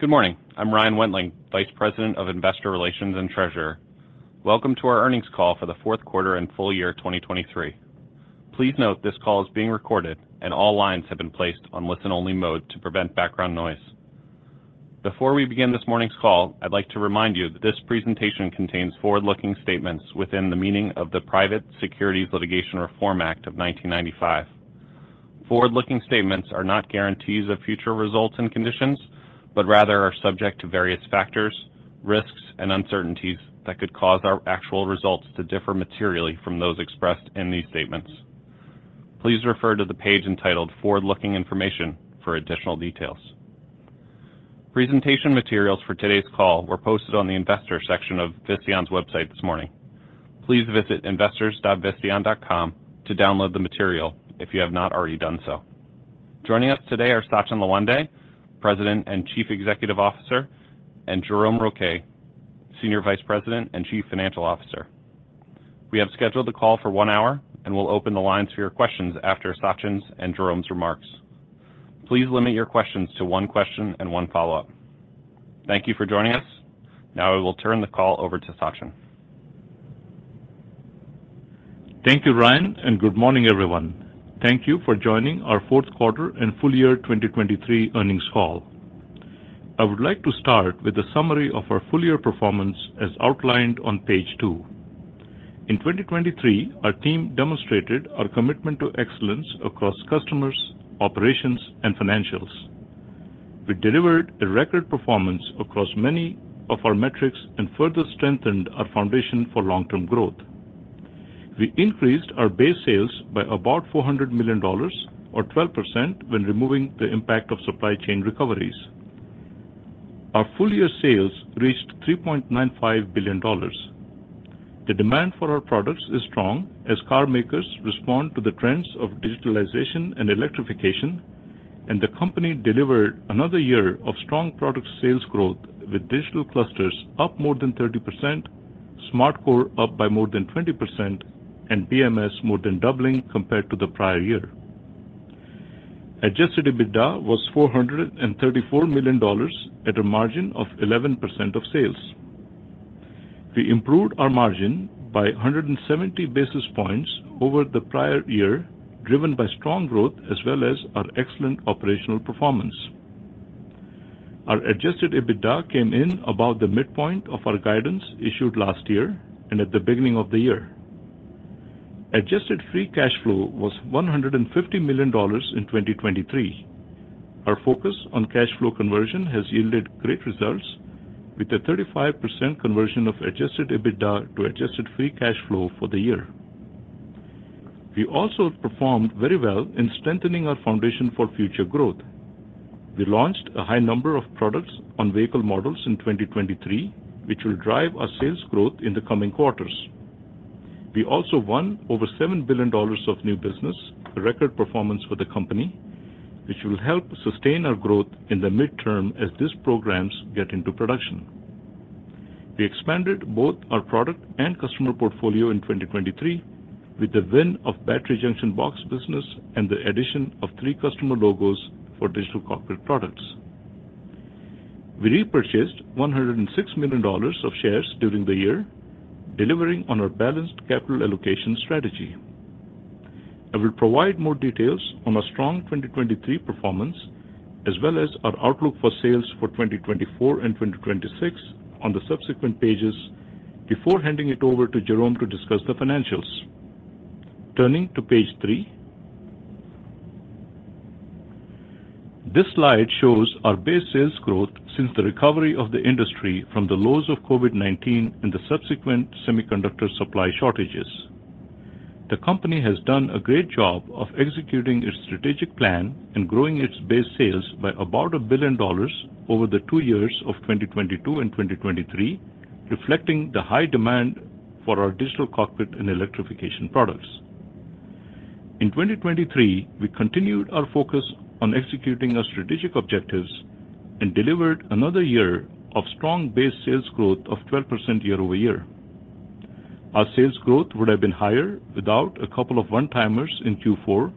Good morning. I'm Ryan Wentling, Vice President of Investor Relations and Treasurer. Welcome to our earnings call for the fourth quarter and full year 2023. Please note, this call is being recorded, and all lines have been placed on listen-only mode to prevent background noise. Before we begin this morning's call, I'd like to remind you that this presentation contains forward-looking statements within the meaning of the Private Securities Litigation Reform Act of 1995. Forward-looking statements are not guarantees of future results and conditions, but rather are subject to various factors, risks, and uncertainties that could cause our actual results to differ materially from those expressed in these statements. Please refer to the page entitled "Forward-Looking Information" for additional details. Presentation materials for today's call were posted on the investor section of Visteon's website this morning. Please visit investors.visteon.com to download the material if you have not already done so. Joining us today are Sachin Lawande, President and Chief Executive Officer, and Jérôme Rouquet, Senior Vice President and Chief Financial Officer. We have scheduled the call for one hour, and we'll open the lines for your questions after Sachin's and Jérôme's remarks. Please limit your questions to one question and one follow-up. Thank you for joining us. Now I will turn the call over to Sachin. Thank you, Ryan, and good morning, everyone. Thank you for joining our fourth quarter and full year 2023 earnings call. I would like to start with a summary of our full-year performance as outlined on page two. In 2023, our team demonstrated our commitment to excellence across customers, operations, and financials. We delivered a record performance across many of our metrics and further strengthened our foundation for long-term growth. We increased our base sales by about $400 million or 12% when removing the impact of supply chain recoveries. Our full-year sales reached $3.95 billion. The demand for our products is strong as car makers respond to the trends of digitalization and electrification, and the company delivered another year of strong product sales growth, with digital clusters up more than 30%, SmartCore up by more than 20%, and BMS more than doubling compared to the prior year. Adjusted EBITDA was $434 million at a margin of 11% of sales. We improved our margin by 170 basis points over the prior year, driven by strong growth as well as our excellent operational performance. Our adjusted EBITDA came in above the midpoint of our guidance issued last year and at the beginning of the year. Adjusted free cash flow was $150 million in 2023. Our focus on cash flow conversion has yielded great results, with a 35% conversion of adjusted EBITDA to adjusted free cash flow for the year. We also performed very well in strengthening our foundation for future growth. We launched a high number of products on vehicle models in 2023, which will drive our sales growth in the coming quarters. We also won over $7 billion of new business, a record performance for the company, which will help sustain our growth in the midterm as these programs get into production. We expanded both our product and customer portfolio in 2023 with the win of battery junction box business and the addition of three customer logos for digital cockpit products. We repurchased $106 million of shares during the year, delivering on our balanced capital allocation strategy. I will provide more details on our strong 2023 performance, as well as our outlook for sales for 2024 and 2026 on the subsequent pages before handing it over to Jérôme to discuss the financials. Turning to page three, this slide shows our base sales growth since the recovery of the industry from the lows of COVID-19 and the subsequent semiconductor supply shortages. The company has done a great job of executing its strategic plan and growing its base sales by about $1 billion over the two years of 2022 and 2023, reflecting the high demand for our digital cockpit and electrification products. In 2023, we continued our focus on executing our strategic objectives and delivered another year of strong base sales growth of 12% year-over-year. Our sales growth would have been higher without a couple of one-timers in Q4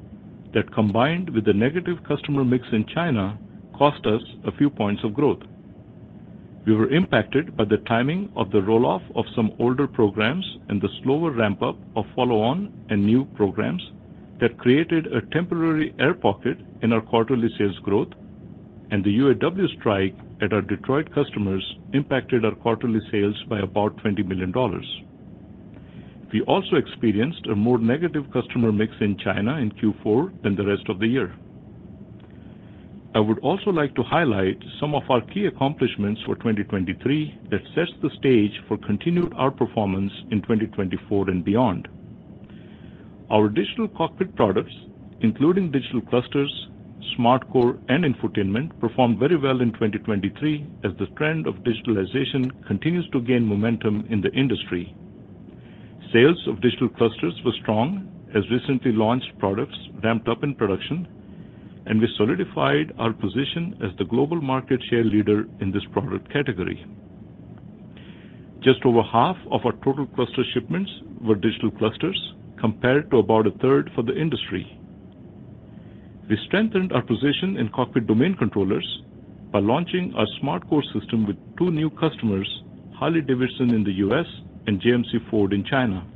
that, combined with the negative customer mix in China, cost us a few points of growth. We were impacted by the timing of the roll-off of some older programs and the slower ramp-up of follow-on and new programs that created a temporary air pocket in our quarterly sales growth, and the UAW strike at our Detroit customers impacted our quarterly sales by about $20 million. We also experienced a more negative customer mix in China in Q4 than the rest of the year. I would also like to highlight some of our key accomplishments for 2023 that sets the stage for continued outperformance in 2024 and beyond. Our digital cockpit products, including digital clusters, SmartCore, and infotainment, performed very well in 2023 as the trend of digitalization continues to gain momentum in the industry. Sales of digital clusters were strong as recently launched products ramped up in production, and we solidified our position as the global market share leader in this product category... Just over half of our total cluster shipments were digital clusters, compared to about a third for the industry. We strengthened our position in cockpit domain controllers by launching our SmartCore system with two new customers, Harley-Davidson in the U.S. and JMC Ford in China.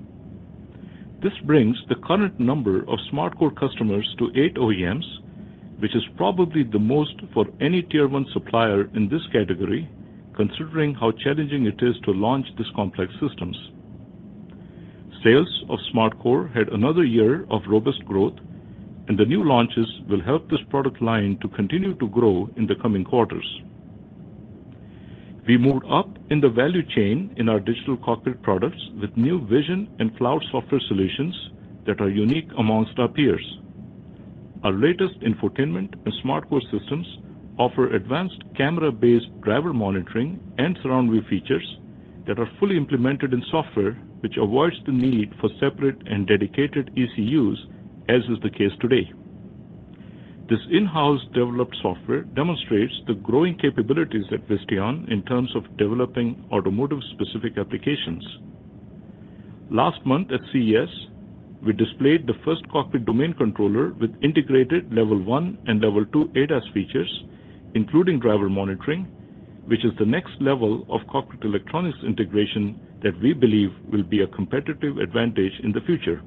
This brings the current number of SmartCore customers to eight OEMs, which is probably the most for any tier one supplier in this category, considering how challenging it is to launch these complex systems. Sales of SmartCore had another year of robust growth, and the new launches will help this product line to continue to grow in the coming quarters. We moved up in the value chain in our digital cockpit products with new vision and cloud software solutions that are unique amongst our peers. Our latest infotainment and SmartCore systems offer advanced camera-based driver monitoring and surround view features that are fully implemented in software, which avoids the need for separate and dedicated ECUs, as is the case today. This in-house developed software demonstrates the growing capabilities at Visteon in terms of developing automotive-specific applications. Last month, at CES, we displayed the first cockpit domain controller with integrated level one and level two ADAS features, including driver monitoring, which is the next level of cockpit electronics integration that we believe will be a competitive advantage in the future.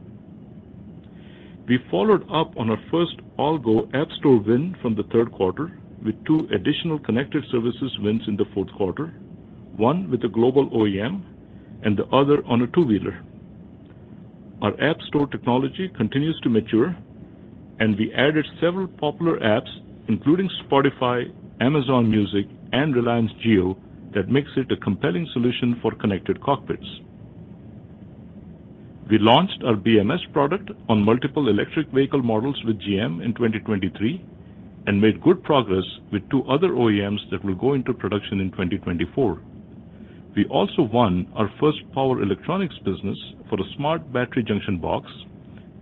We followed up on our first AllGo App Store win from the third quarter, with two additional connected services wins in the fourth quarter, one with a global OEM and the other on a two-wheeler. Our app store technology continues to mature, and we added several popular apps, including Spotify, Amazon Music, and Reliance Jio, that makes it a compelling solution for connected cockpits. We launched our BMS product on multiple electric vehicle models with GM in 2023 and made good progress with two other OEMs that will go into production in 2024. We also won our first power electronics business for a smart battery junction box,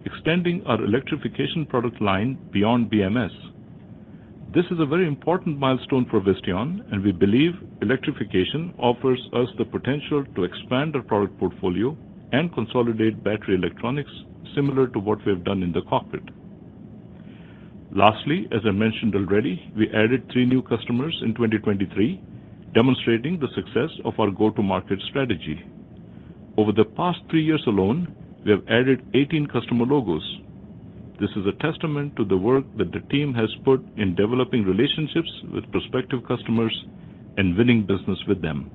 extending our electrification product line beyond BMS. This is a very important milestone for Visteon, and we believe electrification offers us the potential to expand our product portfolio and consolidate battery electronics, similar to what we have done in the cockpit. Lastly, as I mentioned already, we added three new customers in 2023, demonstrating the success of our go-to-market strategy. Over the past three years alone, we have added 18 customer logos. This is a testament to the work that the team has put in developing relationships with prospective customers and winning business with them.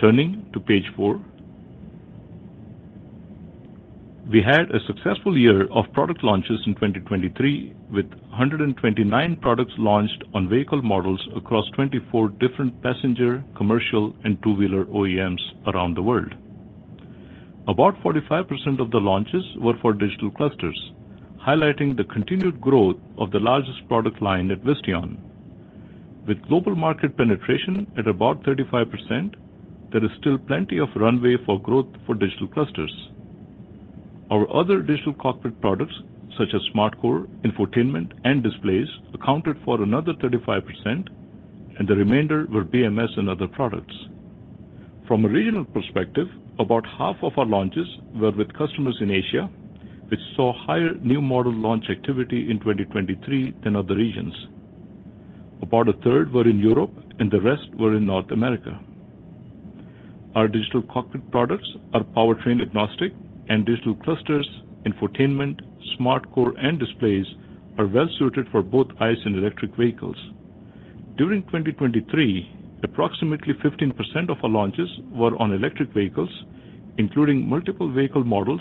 Turning to page four. We had a successful year of product launches in 2023, with 129 products launched on vehicle models across 24 different passenger, commercial, and two-wheeler OEMs around the world. About 45% of the launches were for digital clusters, highlighting the continued growth of the largest product line at Visteon. With global market penetration at about 35%, there is still plenty of runway for growth for digital clusters. Our other digital cockpit products, such as SmartCore, infotainment, and displays, accounted for another 35%, and the remainder were BMS and other products. From a regional perspective, about half of our launches were with customers in Asia, which saw higher new model launch activity in 2023 than other regions. About a third were in Europe, and the rest were in North America. Our digital cockpit products are powertrain-agnostic, and digital clusters, infotainment, SmartCore, and displays are well suited for both ICE and electric vehicles. During 2023, approximately 15% of our launches were on electric vehicles, including multiple vehicle models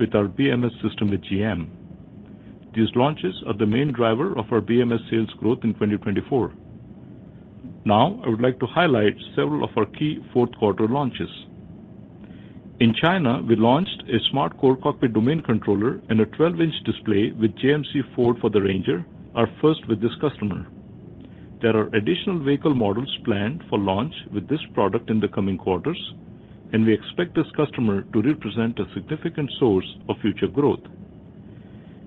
with our BMS system with GM. These launches are the main driver of our BMS sales growth in 2024. Now, I would like to highlight several of our key fourth quarter launches. In China, we launched a SmartCore cockpit domain controller and a 12-inch display with JMC Ford for the Ranger, our first with this customer. There are additional vehicle models planned for launch with this product in the coming quarters, and we expect this customer to represent a significant source of future growth.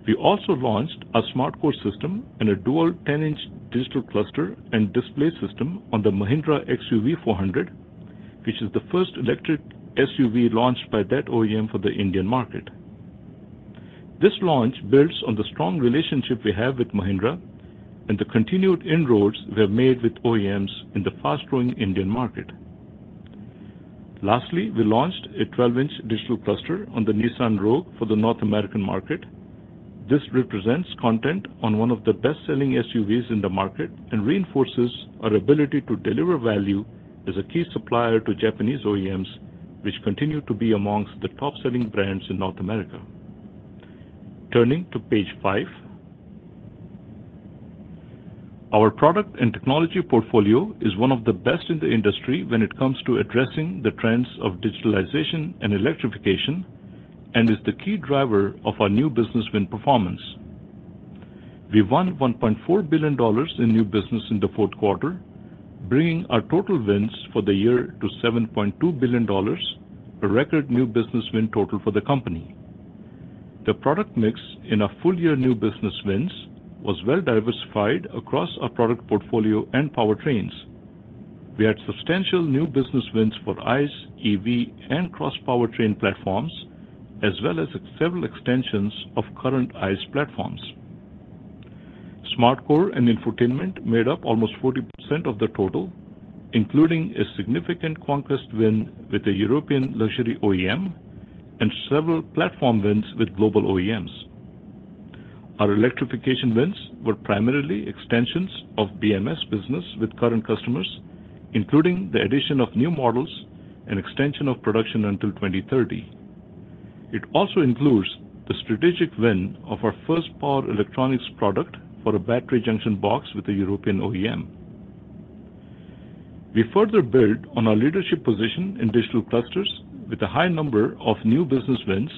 We also launched a SmartCore system and a dual 10-inch digital cluster and display system on the Mahindra XUV400, which is the first electric SUV launched by that OEM for the Indian market. This launch builds on the strong relationship we have with Mahindra and the continued inroads we have made with OEMs in the fast-growing Indian market. Lastly, we launched a 12-inch digital cluster on the Nissan Rogue for the North American market. This represents content on one of the best-selling SUVs in the market and reinforces our ability to deliver value as a key supplier to Japanese OEMs, which continue to be among the top-selling brands in North America. Turning to page five. Our product and technology portfolio is one of the best in the industry when it comes to addressing the trends of digitalization and electrification, and is the key driver of our new business win performance. We won $1.4 billion in new business in the fourth quarter, bringing our total wins for the year to $7.2 billion, a record new business win total for the company.... The product mix in our full year new business wins was well diversified across our product portfolio and powertrains. We had substantial new business wins for ICE, EV, and cross-powertrain platforms, as well as several extensions of current ICE platforms. SmartCore and infotainment made up almost 40% of the total, including a significant conquest win with a European luxury OEM and several platform wins with global OEMs. Our electrification wins were primarily extensions of BMS business with current customers, including the addition of new models and extension of production until 2030. It also includes the strategic win of our first power electronics product for a battery junction box with a European OEM. We further build on our leadership position in digital clusters with a high number of new business wins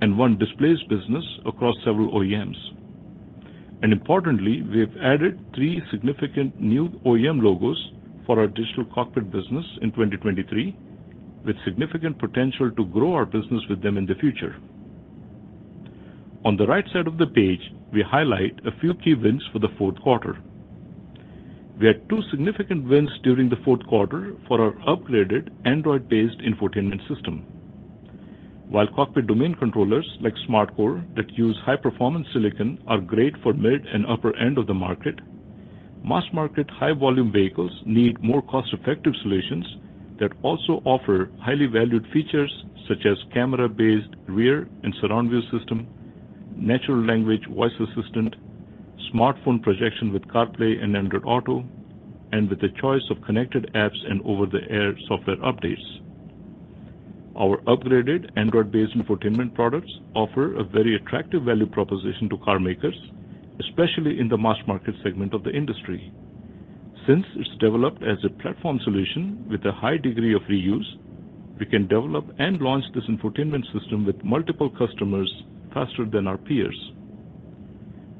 and one displaced business across several OEMs. Importantly, we have added three significant new OEM logos for our digital cockpit business in 2023, with significant potential to grow our business with them in the future. On the right side of the page, we highlight a few key wins for the fourth quarter. We had two significant wins during the fourth quarter for our upgraded Android-based infotainment system. While cockpit domain controllers, like SmartCore, that use high-performance silicon are great for mid and upper end of the market, mass market, high-volume vehicles need more cost-effective solutions that also offer highly valued features such as camera-based rear and surround view system, natural language voice assistant, smartphone projection with CarPlay and Android Auto, and with the choice of connected apps and over-the-air software updates. Our upgraded Android-based infotainment products offer a very attractive value proposition to car makers, especially in the mass market segment of the industry. Since it's developed as a platform solution with a high degree of reuse, we can develop and launch this infotainment system with multiple customers faster than our peers.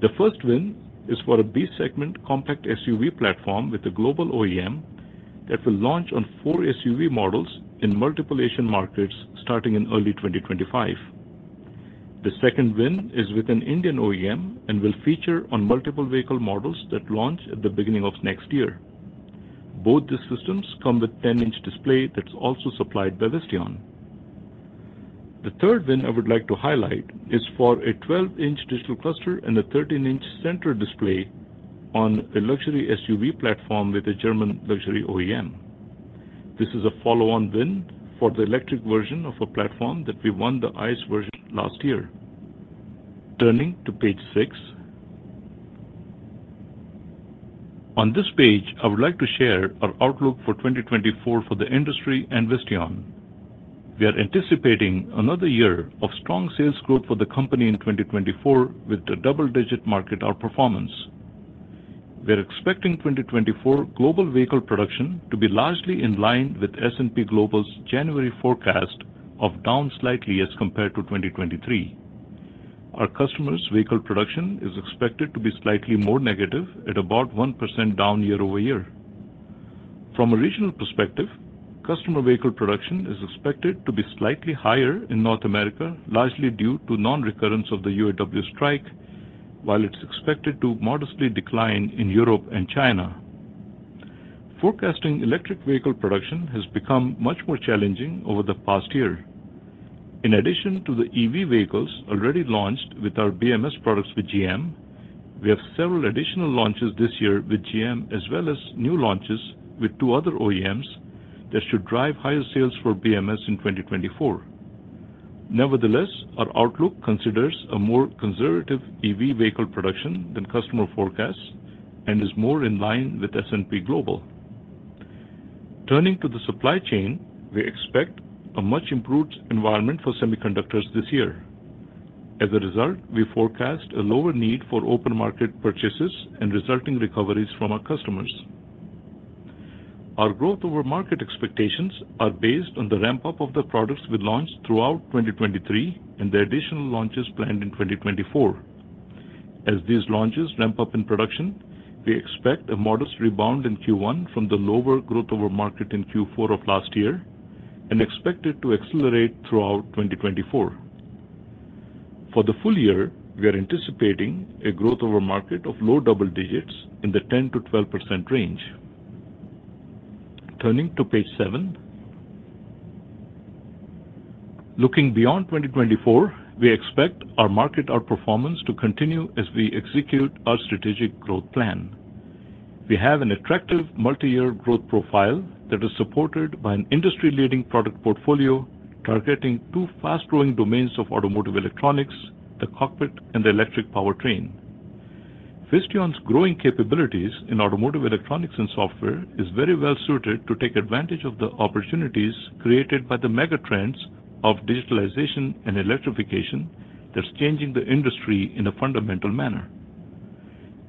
The first win is for a B-segment compact SUV platform with a global OEM that will launch on four SUV models in multiple Asian markets starting in early 2025. The second win is with an Indian OEM and will feature on multiple vehicle models that launch at the beginning of next year. Both these systems come with 10-inch display that's also supplied by Visteon. The third win I would like to highlight is for a 12-inch digital cluster and a 13-inch center display on a luxury SUV platform with a German luxury OEM. This is a follow-on win for the electric version of a platform that we won the ICE version last year. Turning to page six. On this page, I would like to share our outlook for 2024 for the industry and Visteon. We are anticipating another year of strong sales growth for the company in 2024, with a double-digit market outperformance. We are expecting 2024 global vehicle production to be largely in line with S&P Global's January forecast of down slightly as compared to 2023. Our customers' vehicle production is expected to be slightly more negative, at about 1% down year-over-year. From a regional perspective, customer vehicle production is expected to be slightly higher in North America, largely due to non-recurrence of the UAW strike, while it's expected to modestly decline in Europe and China. Forecasting electric vehicle production has become much more challenging over the past year. In addition to the EV vehicles already launched with our BMS products with GM, we have several additional launches this year with GM, as well as new launches with two other OEMs that should drive higher sales for BMS in 2024. Nevertheless, our outlook considers a more conservative EV vehicle production than customer forecasts and is more in line with S&P Global. Turning to the supply chain, we expect a much improved environment for semiconductors this year. As a result, we forecast a lower need for open market purchases and resulting recoveries from our customers. Our growth over market expectations are based on the ramp-up of the products we launched throughout 2023 and the additional launches planned in 2024. As these launches ramp up in production, we expect a modest rebound in Q1 from the lower growth over market in Q4 of last year and expect it to accelerate throughout 2024. For the full year, we are anticipating a growth over market of low double digits in the 10%-12% range. Turning to page seven. Looking beyond 2024, we expect our market outperformance to continue as we execute our strategic growth plan. We have an attractive multi-year growth profile that is supported by an industry-leading product portfolio, targeting two fast-growing domains of automotive electronics, the cockpit and the electric powertrain. Visteon's growing capabilities in automotive electronics and software is very well suited to take advantage of the opportunities created by the mega trends of digitalization and electrification that's changing the industry in a fundamental manner.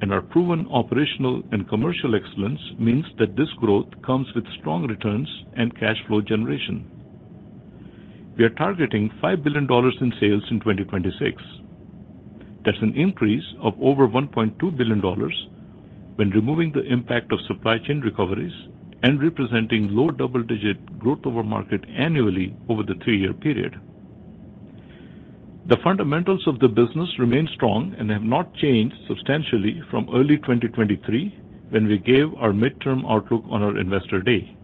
Our proven operational and commercial excellence means that this growth comes with strong returns and cash flow generation. We are targeting $5 billion in sales in 2026... That's an increase of over $1.2 billion when removing the impact of supply chain recoveries and representing low double-digit growth over market annually over the three-year period. The fundamentals of the business remain strong and have not changed substantially from early 2023, when we gave our midterm outlook on our Investor Day.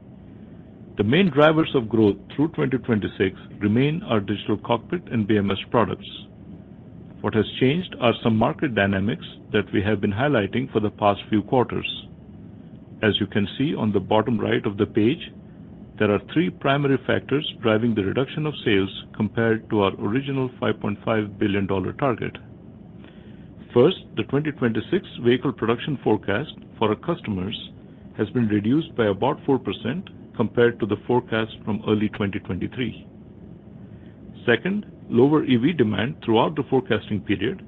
The main drivers of growth through 2026 remain our digital cockpit and BMS products. What has changed are some market dynamics that we have been highlighting for the past few quarters. As you can see on the bottom right of the page, there are three primary factors driving the reduction of sales compared to our original $5.5 billion target. First, the 2026 vehicle production forecast for our customers has been reduced by about 4% compared to the forecast from early 2023. Second, lower EV demand throughout the forecasting period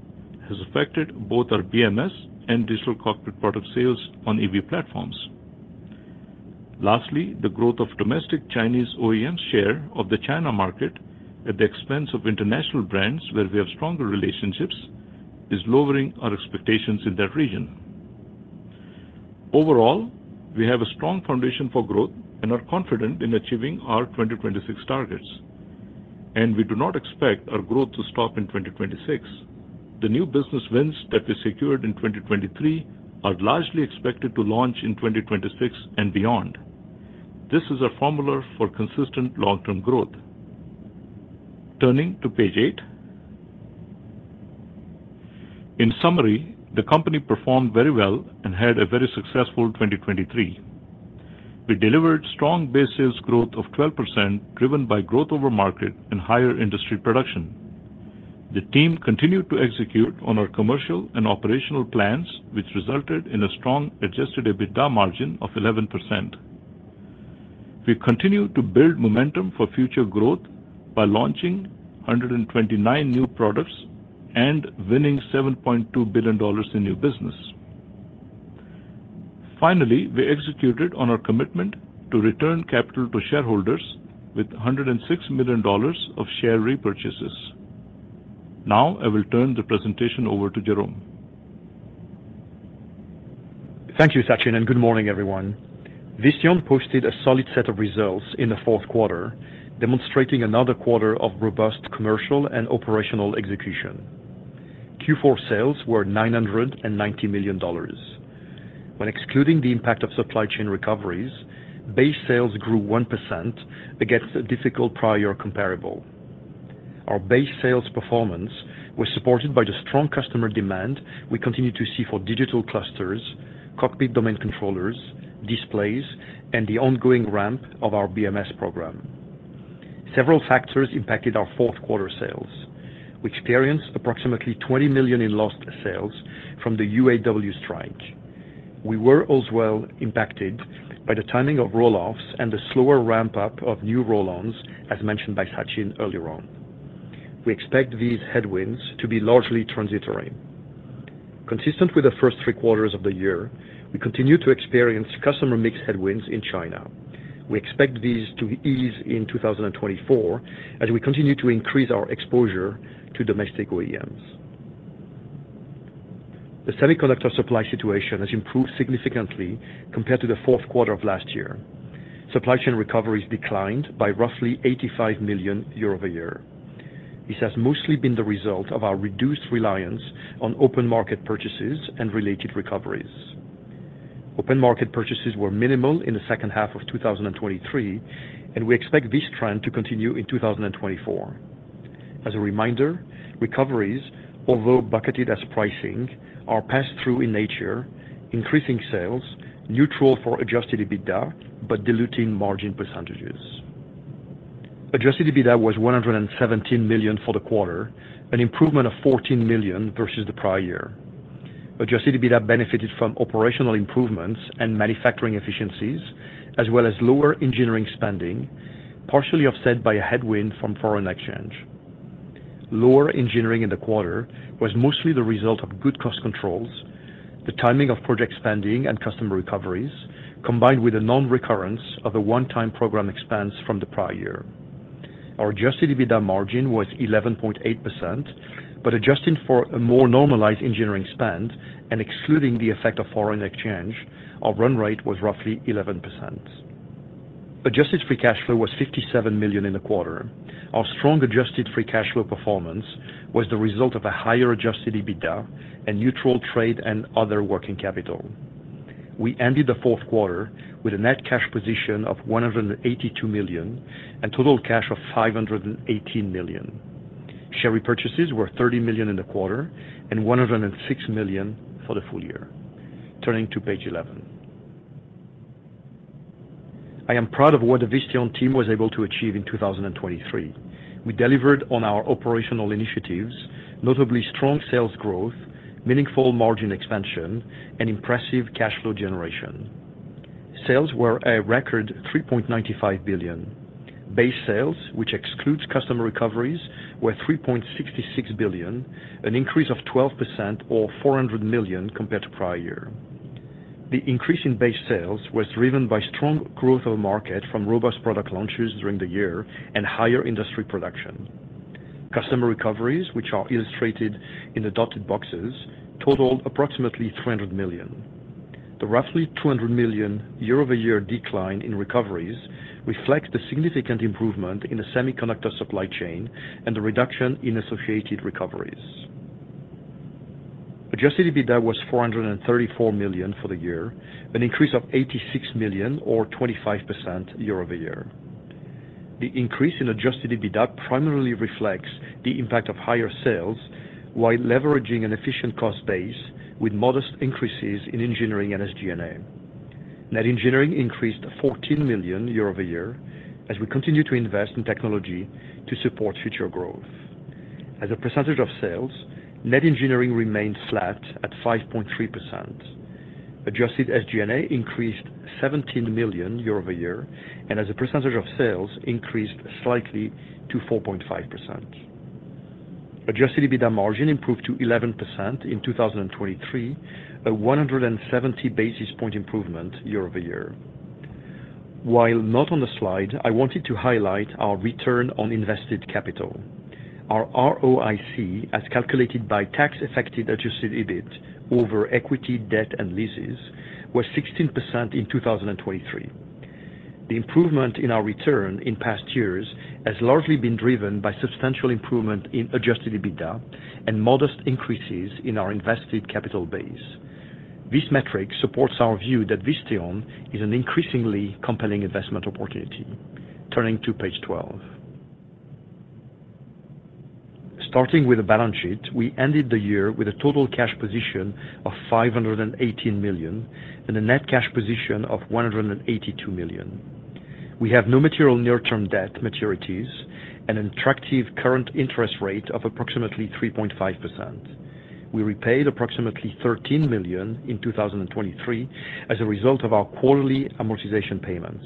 has affected both our BMS and digital cockpit product sales on EV platforms. Lastly, the growth of domestic Chinese OEM share of the China market at the expense of international brands, where we have stronger relationships, is lowering our expectations in that region. Overall, we have a strong foundation for growth and are confident in achieving our 2026 targets, and we do not expect our growth to stop in 2026. The new business wins that we secured in 2023 are largely expected to launch in 2026 and beyond. This is a formula for consistent long-term growth. Turning to page eight. In summary, the company performed very well and had a very successful 2023. We delivered strong base sales growth of 12%, driven by growth over market and higher industry production. The team continued to execute on our commercial and operational plans, which resulted in a strong adjusted EBITDA margin of 11%. We continued to build momentum for future growth by launching 129 new products and winning $7.2 billion in new business. Finally, we executed on our commitment to return capital to shareholders with $106 million of share repurchases. Now I will turn the presentation over to Jérôme. Thank you, Sachin, and good morning, everyone. Visteon posted a solid set of results in the fourth quarter, demonstrating another quarter of robust commercial and operational execution. Q4 sales were $990 million. When excluding the impact of supply chain recoveries, base sales grew 1% against a difficult prior comparable. Our base sales performance was supported by the strong customer demand we continue to see for digital clusters, cockpit domain controllers, displays, and the ongoing ramp of our BMS program. Several factors impacted our fourth quarter sales. We experienced approximately $20 million in lost sales from the UAW strike. We were also well impacted by the timing of roll-offs and the slower ramp-up of new roll-ons, as mentioned by Sachin earlier on. We expect these headwinds to be largely transitory. Consistent with the first three quarters of the year, we continue to experience customer mix headwinds in China. We expect these to ease in 2024 as we continue to increase our exposure to domestic OEMs. The semiconductor supply situation has improved significantly compared to the fourth quarter of last year. Supply chain recoveries declined by roughly $85 million year-over-year. This has mostly been the result of our reduced reliance on open market purchases and related recoveries. Open market purchases were minimal in the second half of 2023, and we expect this trend to continue in 2024. As a reminder, recoveries, although bucketed as pricing, are passed through in nature, increasing sales, neutral for Adjusted EBITDA, but diluting margin percentages. Adjusted EBITDA was $117 million for the quarter, an improvement of $14 million versus the prior year. Adjusted EBITDA benefited from operational improvements and manufacturing efficiencies, as well as lower engineering spending, partially offset by a headwind from foreign exchange. Lower engineering in the quarter was mostly the result of good cost controls, the timing of project spending, and customer recoveries, combined with a non-recurrence of a one-time program expense from the prior year. Our adjusted EBITDA margin was 11.8%, but adjusting for a more normalized engineering spend and excluding the effect of foreign exchange, our run rate was roughly 11%. Adjusted free cash flow was $57 million in the quarter. Our strong adjusted free cash flow performance was the result of a higher adjusted EBITDA and neutral trade and other working capital. We ended the fourth quarter with a net cash position of $182 million and total cash of $518 million. Share repurchases were $30 million in the quarter and $106 million for the full year. Turning to page 11. I am proud of what the Visteon team was able to achieve in 2023. We delivered on our operational initiatives, notably strong sales growth, meaningful margin expansion, and impressive cash flow generation. Sales were a record $3.95 billion. Base sales, which excludes customer recoveries, were $3.66 billion, an increase of 12% or $400 million compared to prior year. The increase in base sales was driven by strong growth of the market from robust product launches during the year and higher industry production. Customer recoveries, which are illustrated in the dotted boxes, totaled approximately $300 million. The roughly $200 million year-over-year decline in recoveries reflects the significant improvement in the semiconductor supply chain and the reduction in associated recoveries. Adjusted EBITDA was $434 million for the year, an increase of $86 million or 25% year-over-year. The increase in adjusted EBITDA primarily reflects the impact of higher sales, while leveraging an efficient cost base with modest increases in engineering and SG&A. Net engineering increased $14 million year-over-year, as we continue to invest in technology to support future growth. As a percentage of sales, net engineering remained flat at 5.3%. Adjusted SG&A increased $17 million year-over-year, and as a percentage of sales, increased slightly to 4.5%. Adjusted EBITDA margin improved to 11% in 2023, a 170 basis point improvement year-over-year. While not on the slide, I wanted to highlight our return on invested capital. Our ROIC, as calculated by tax-affected adjusted EBIT over equity, debt, and leases, was 16% in 2023. The improvement in our return in past years has largely been driven by substantial improvement in adjusted EBITDA and modest increases in our invested capital base. This metric supports our view that Visteon is an increasingly compelling investment opportunity. Turning to page 12. Starting with the balance sheet, we ended the year with a total cash position of $518 million and a net cash position of $182 million. We have no material near-term debt maturities and an attractive current interest rate of approximately 3.5%. We repaid approximately $13 million in 2023 as a result of our quarterly amortization payments.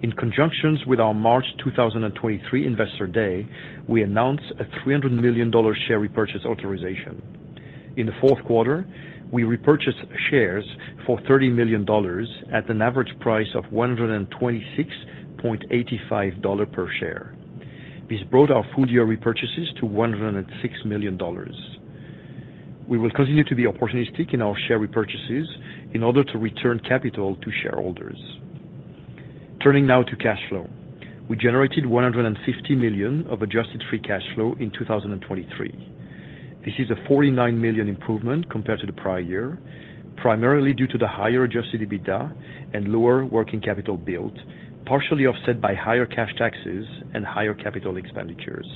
In conjunction with our March 2023 Investor Day, we announced a $300 million share repurchase authorization. In the fourth quarter, we repurchased shares for $30 million at an average price of $126.85 per share. This brought our full-year repurchases to $106 million. We will continue to be opportunistic in our share repurchases in order to return capital to shareholders. Turning now to cash flow. We generated $150 million of Adjusted Free Cash Flow in 2023. This is a $49 million improvement compared to the prior year, primarily due to the higher Adjusted EBITDA and lower working capital build, partially offset by higher cash taxes and higher capital expenditures.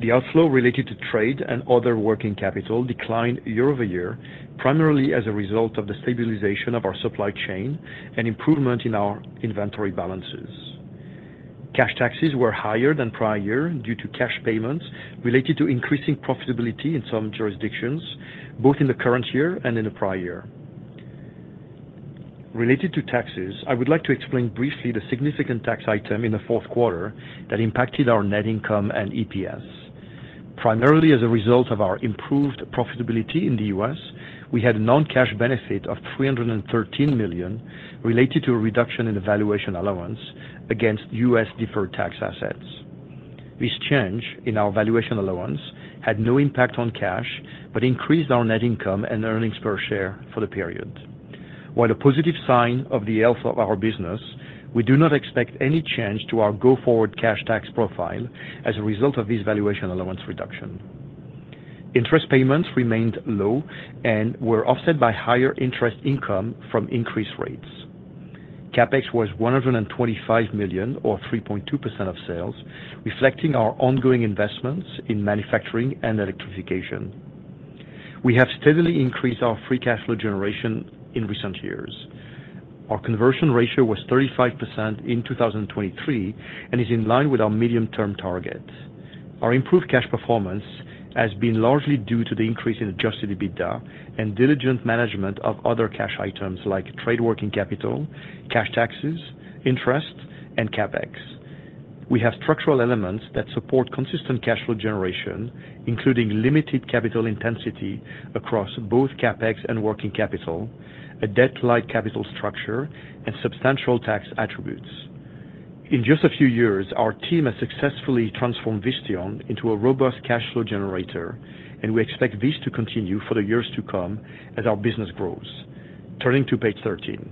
The outflow related to trade and other working capital declined year-over-year, primarily as a result of the stabilization of our supply chain and improvement in our inventory balances. Cash taxes were higher than prior year due to cash payments related to increasing profitability in some jurisdictions, both in the current year and in the prior year. Related to taxes, I would like to explain briefly the significant tax item in the fourth quarter that impacted our net income and EPS. Primarily, as a result of our improved profitability in the U.S., we had a non-cash benefit of $313 million related to a reduction in the valuation allowance against U.S. deferred tax assets. This change in our valuation allowance had no impact on cash, but increased our net income and earnings per share for the period. While a positive sign of the health of our business, we do not expect any change to our go-forward cash tax profile as a result of this valuation allowance reduction. Interest payments remained low and were offset by higher interest income from increased rates. CapEx was $125 million, or 3.2% of sales, reflecting our ongoing investments in manufacturing and electrification. We have steadily increased our free cash flow generation in recent years. Our conversion ratio was 35% in 2023 and is in line with our medium-term target. Our improved cash performance has been largely due to the increase in adjusted EBITDA and diligent management of other cash items like trade working capital, cash taxes, interest, and CapEx. We have structural elements that support consistent cash flow generation, including limited capital intensity across both CapEx and working capital, a debt-like capital structure, and substantial tax attributes. In just a few years, our team has successfully transformed Visteon into a robust cash flow generator, and we expect this to continue for the years to come as our business grows. Turning to page 13.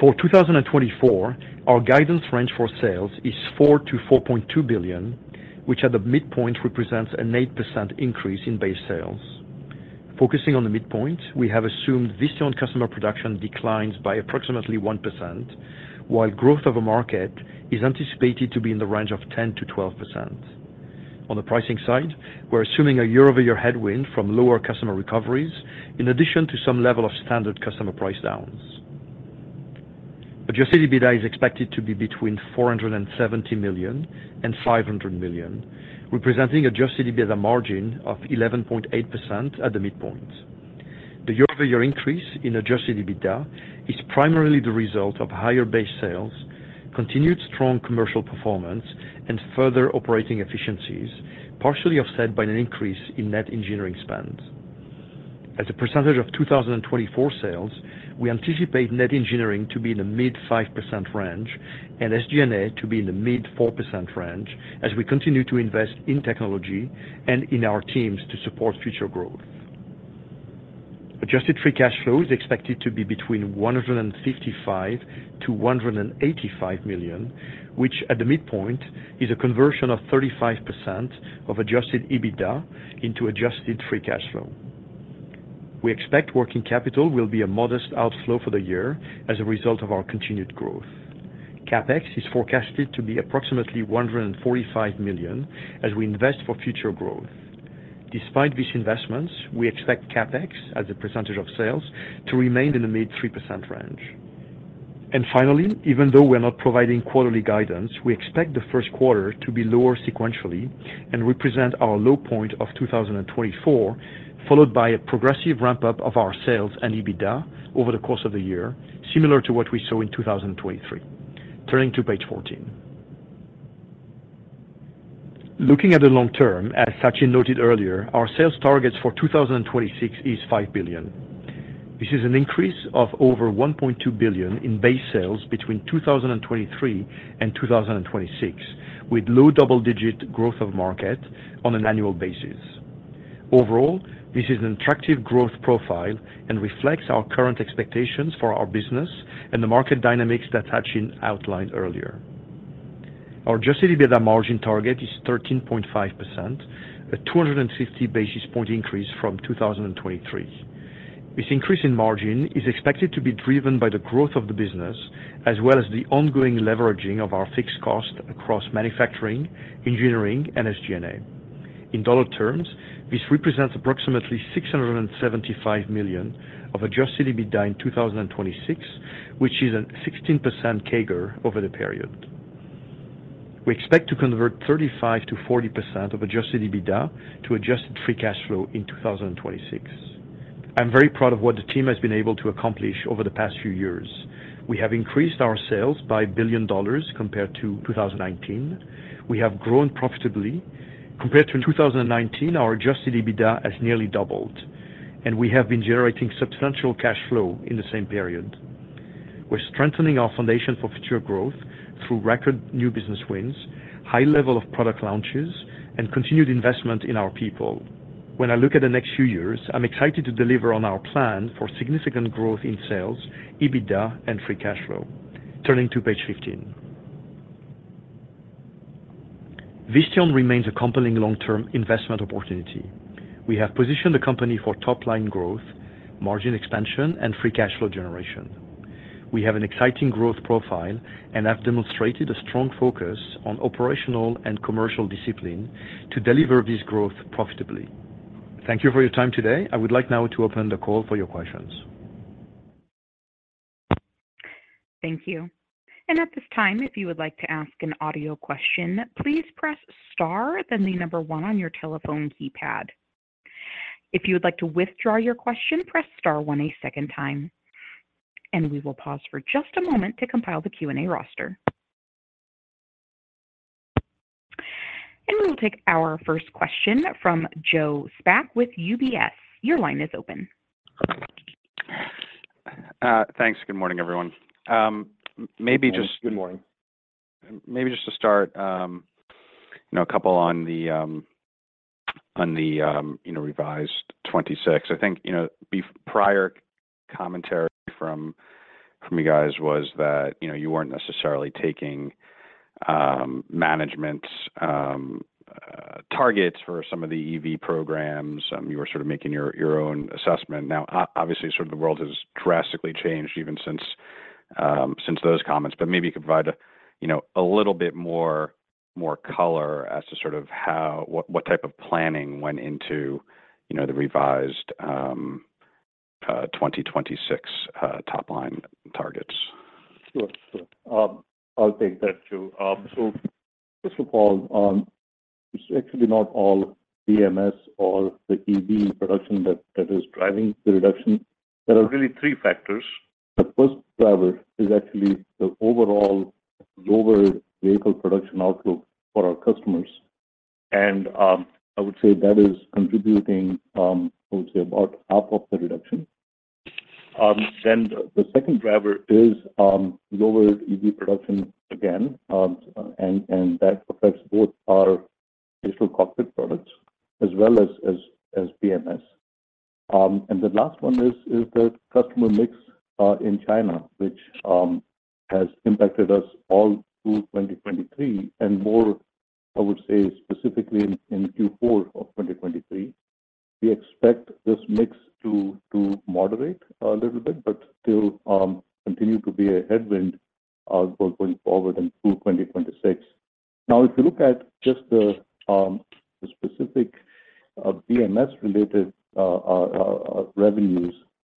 For 2024, our guidance range for sales is $4 billion-$4.2 billion, which at the midpoint represents an 8% increase in base sales. Focusing on the midpoint, we have assumed Visteon customer production declines by approximately 1%, while growth of the market is anticipated to be in the range of 10%-12%. On the pricing side, we're assuming a year-over-year headwind from lower customer recoveries, in addition to some level of standard customer price downs. Adjusted EBITDA is expected to be between $470 million and $500 million, representing adjusted EBITDA margin of 11.8% at the midpoint. The year-over-year increase in adjusted EBITDA is primarily the result of higher base sales, continued strong commercial performance, and further operating efficiencies, partially offset by an increase in net engineering spend. As a percentage of 2024 sales, we anticipate net engineering to be in the mid-5% range and SG&A to be in the mid-4% range, as we continue to invest in technology and in our teams to support future growth. Adjusted Free Cash Flow is expected to be between $155 million-$185 million, which at the midpoint, is a conversion of 35% of adjusted EBITDA into adjusted free cash flow. We expect working capital will be a modest outflow for the year as a result of our continued growth. CapEx is forecasted to be approximately $145 million as we invest for future growth. Despite these investments, we expect CapEx, as a percentage of sales, to remain in the mid-3% range. And finally, even though we're not providing quarterly guidance, we expect the first quarter to be lower sequentially and represent our low point of 2024, followed by a progressive ramp-up of our sales and EBITDA over the course of the year, similar to what we saw in 2023. Turning to page fourteen. Looking at the long term, as Sachin noted earlier, our sales targets for 2026 is $5 billion. This is an increase of over $1.2 billion in base sales between 2023 and 2026, with low double-digit growth of market on an annual basis. Overall, this is an attractive growth profile and reflects our current expectations for our business and the market dynamics that Sachin outlined earlier. Our adjusted EBITDA margin target is 13.5%, a 260 basis point increase from 2023. This increase in margin is expected to be driven by the growth of the business, as well as the ongoing leveraging of our fixed cost across manufacturing, engineering, and SG&A. In dollar terms, this represents approximately $675 million of adjusted EBITDA in 2026, which is a 16% CAGR over the period. We expect to convert 35%-40% of adjusted EBITDA to adjusted free cash flow in 2026. I'm very proud of what the team has been able to accomplish over the past few years. We have increased our sales by $1 billion compared to 2019. We have grown profitably. Compared to 2019, our adjusted EBITDA has nearly doubled, and we have been generating substantial cash flow in the same period. We're strengthening our foundation for future growth through record new business wins, high level of product launches, and continued investment in our people. When I look at the next few years, I'm excited to deliver on our plan for significant growth in sales, EBITDA, and free cash flow. Turning to page 15. Visteon remains a compelling long-term investment opportunity. We have positioned the company for top-line growth, margin expansion, and free cash flow generation. We have an exciting growth profile and have demonstrated a strong focus on operational and commercial discipline to deliver this growth profitably. Thank you for your time today. I would like now to open the call for your questions. Thank you. At this time, if you would like to ask an audio question, please press star, then the number one on your telephone keypad. If you would like to withdraw your question, press star one a second time. We will pause for just a moment to compile the Q&A roster. We will take our first question from Joe Spak with UBS. Your line is open. Thanks. Good morning, everyone. Maybe just- Good morning. Maybe just to start, you know, a couple on the revised 2026. I think, you know, prior commentary from you guys was that, you know, you weren't necessarily taking management targets for some of the EV programs. You were sort of making your own assessment. Now, obviously, sort of the world has drastically changed even since those comments, but maybe you could provide, you know, a little bit more color as to sort of how, what type of planning went into, you know, the revised 2026 top-line targets. Sure. Sure. I'll take that, Joe. So first of all, it's actually not all BMS or the EV production that is driving the reduction. There are really three factors. The first driver is actually the overall lower vehicle production outlook for our customers, and I would say that is contributing about half of the reduction. Then the second driver is lower EV production again, and that affects both our digital cockpit products as well as BMS. And the last one is the customer mix in China, which has impacted us all through 2023 and more, I would say, specifically in Q4 of 2023. We expect this mix to moderate a little bit, but still continue to be a headwind both going forward and through 2026. Now, if you look at just the specific revenues,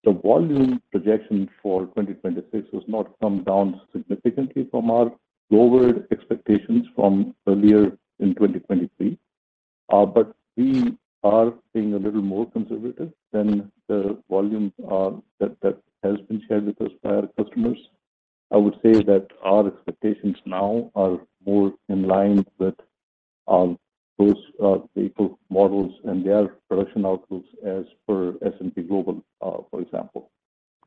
the volume projection for 2026 has not come down significantly from our lowered expectations from earlier in 2023.... but we are being a little more conservative than the volumes that has been shared with us by our customers. I would say that our expectations now are more in line with those vehicle models and their production outlooks as per S&P Global, for example.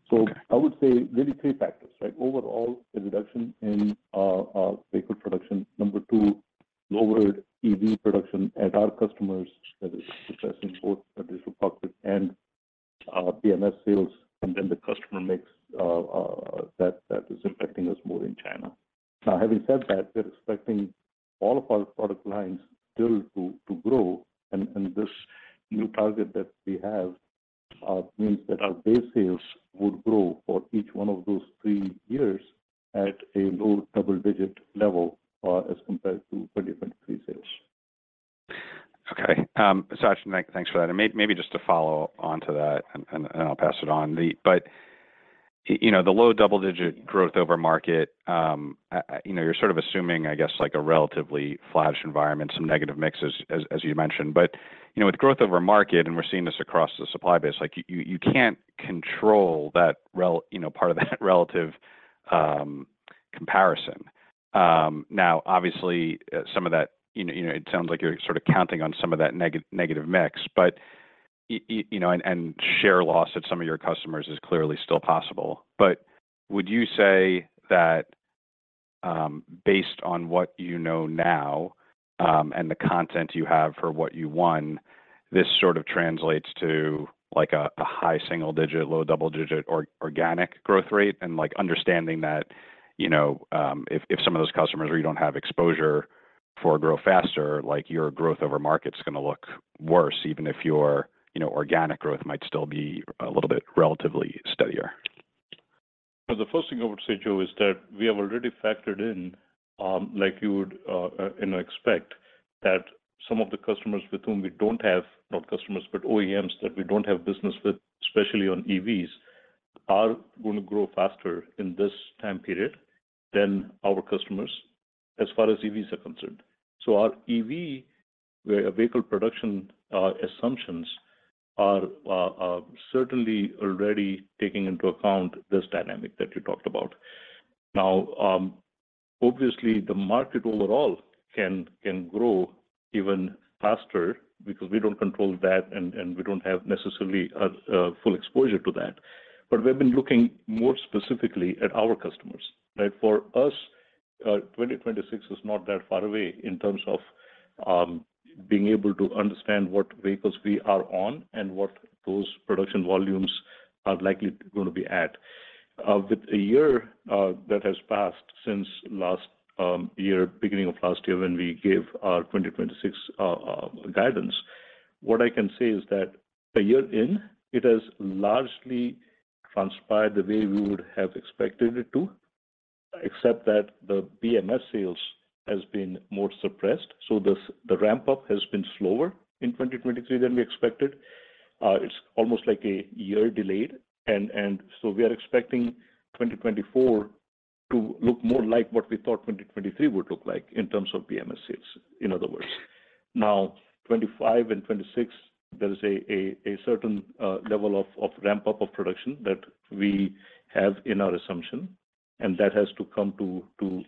So I would say really three factors, right? Overall, a reduction in vehicle production. Number two, lowered EV production at our customers, that is addressing both additional public and BMS sales, and then the customer mix that is affecting us more in China. Now, having said that, we're expecting all of our product lines still to grow, and this new target that we have means that our base sales would grow for each one of those three years at a low double-digit level, as compared to 2023 sales. Okay. Sachin, thanks for that. And maybe just to follow on to that, and I'll pass it on the... But you know, the low double-digit growth over market, you know, you're sort of assuming, I guess, like a relatively flatish environment, some negative mixes as you mentioned. But you know, with growth over market, and we're seeing this across the supply base, like, you can't control that, you know, part of that relative comparison. Now, obviously, some of that, you know, it sounds like you're sorta counting on some of that negative mix, but you know, and share loss at some of your customers is clearly still possible. But would you say that, based on what you know now, and the content you have for what you won, this sort of translates to like a high single digit, low double digit organic growth rate? And, like, understanding that, you know, if some of those customers where you don't have exposure for grow faster, like, your growth over market is gonna look worse, even if your, you know, organic growth might still be a little bit relatively steadier. So the first thing I would say, Joe, is that we have already factored in, like you would, you know, expect, that some of the customers with whom we don't have, not customers, but OEMs that we don't have business with, especially on EVs, are gonna grow faster in this time period than our customers, as far as EVs are concerned. So our EV vehicle production certainly already taking into account this dynamic that you talked about. Now, obviously, the market overall can grow even faster because we don't control that, and we don't have necessarily a full exposure to that. But we've been looking more specifically at our customers, right? For us, 2026 is not that far away in terms of being able to understand what vehicles we are on and what those production volumes are likely gonna be at. With a year that has passed since last year, beginning of last year, when we gave our 2026 guidance, what I can say is that a year in, it has largely transpired the way we would have expected it to, except that the BMS sales has been more suppressed, so the ramp-up has been slower in 2023 than we expected. It's almost like a year delayed, and so we are expecting 2024 to look more like what we thought 2023 would look like in terms of BMS sales, in other words. Now, 2025 and 2026, there is a certain level of ramp-up of production that we have in our assumption, and that has to come to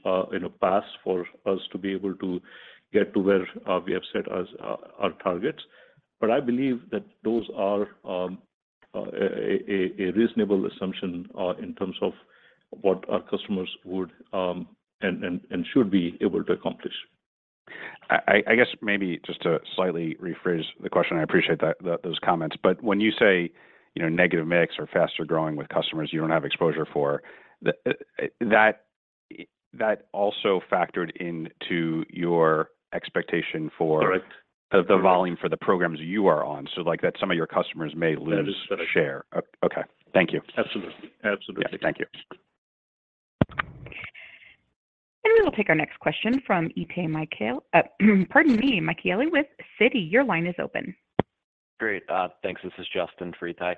pass for us to be able to get to where we have set as our targets. But I believe that those are a reasonable assumption in terms of what our customers would and should be able to accomplish. I guess maybe just to slightly rephrase the question, I appreciate that, those comments, but when you say, you know, negative mix or faster growing with customers, you don't have exposure for the, that also factored into your expectation for- Correct. the volume for the programs you are on, so, like, that some of your customers may lose- That is correct. Share. Oh, okay. Thank you. Absolutely. Absolutely. Yeah. Thank you. We will take our next question from Itay Michaeli with Citi. Your line is open. Great. Thanks. This is Justin for Itay.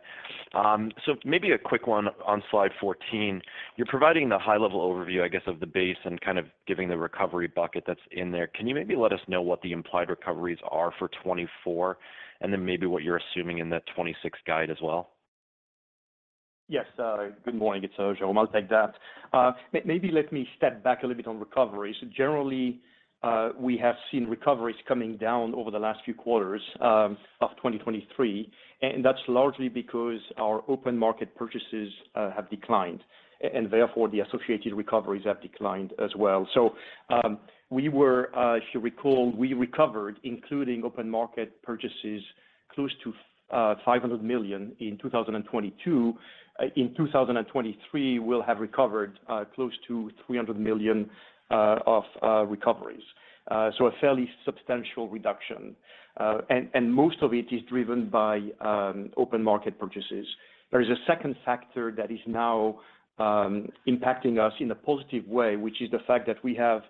So maybe a quick one on slide 14. You're providing the high level overview, I guess, of the base and kind of giving the recovery bucket that's in there. Can you maybe let us know what the implied recoveries are for 2024, and then maybe what you're assuming in that 2026 guide as well? Yes, good morning, it's Jérôme. I'll take that. Maybe let me step back a little bit on recovery. So generally, we have seen recoveries coming down over the last few quarters of 2023, and that's largely because our open market purchases have declined, and therefore, the associated recoveries have declined as well. So, we were, if you recall, we recovered, including open market purchases, close to $500 million in 2022. In 2023, we'll have recovered close to $300 million of recoveries. So a fairly substantial reduction, and most of it is driven by open market purchases. There is a second factor that is now impacting us in a positive way, which is the fact that we have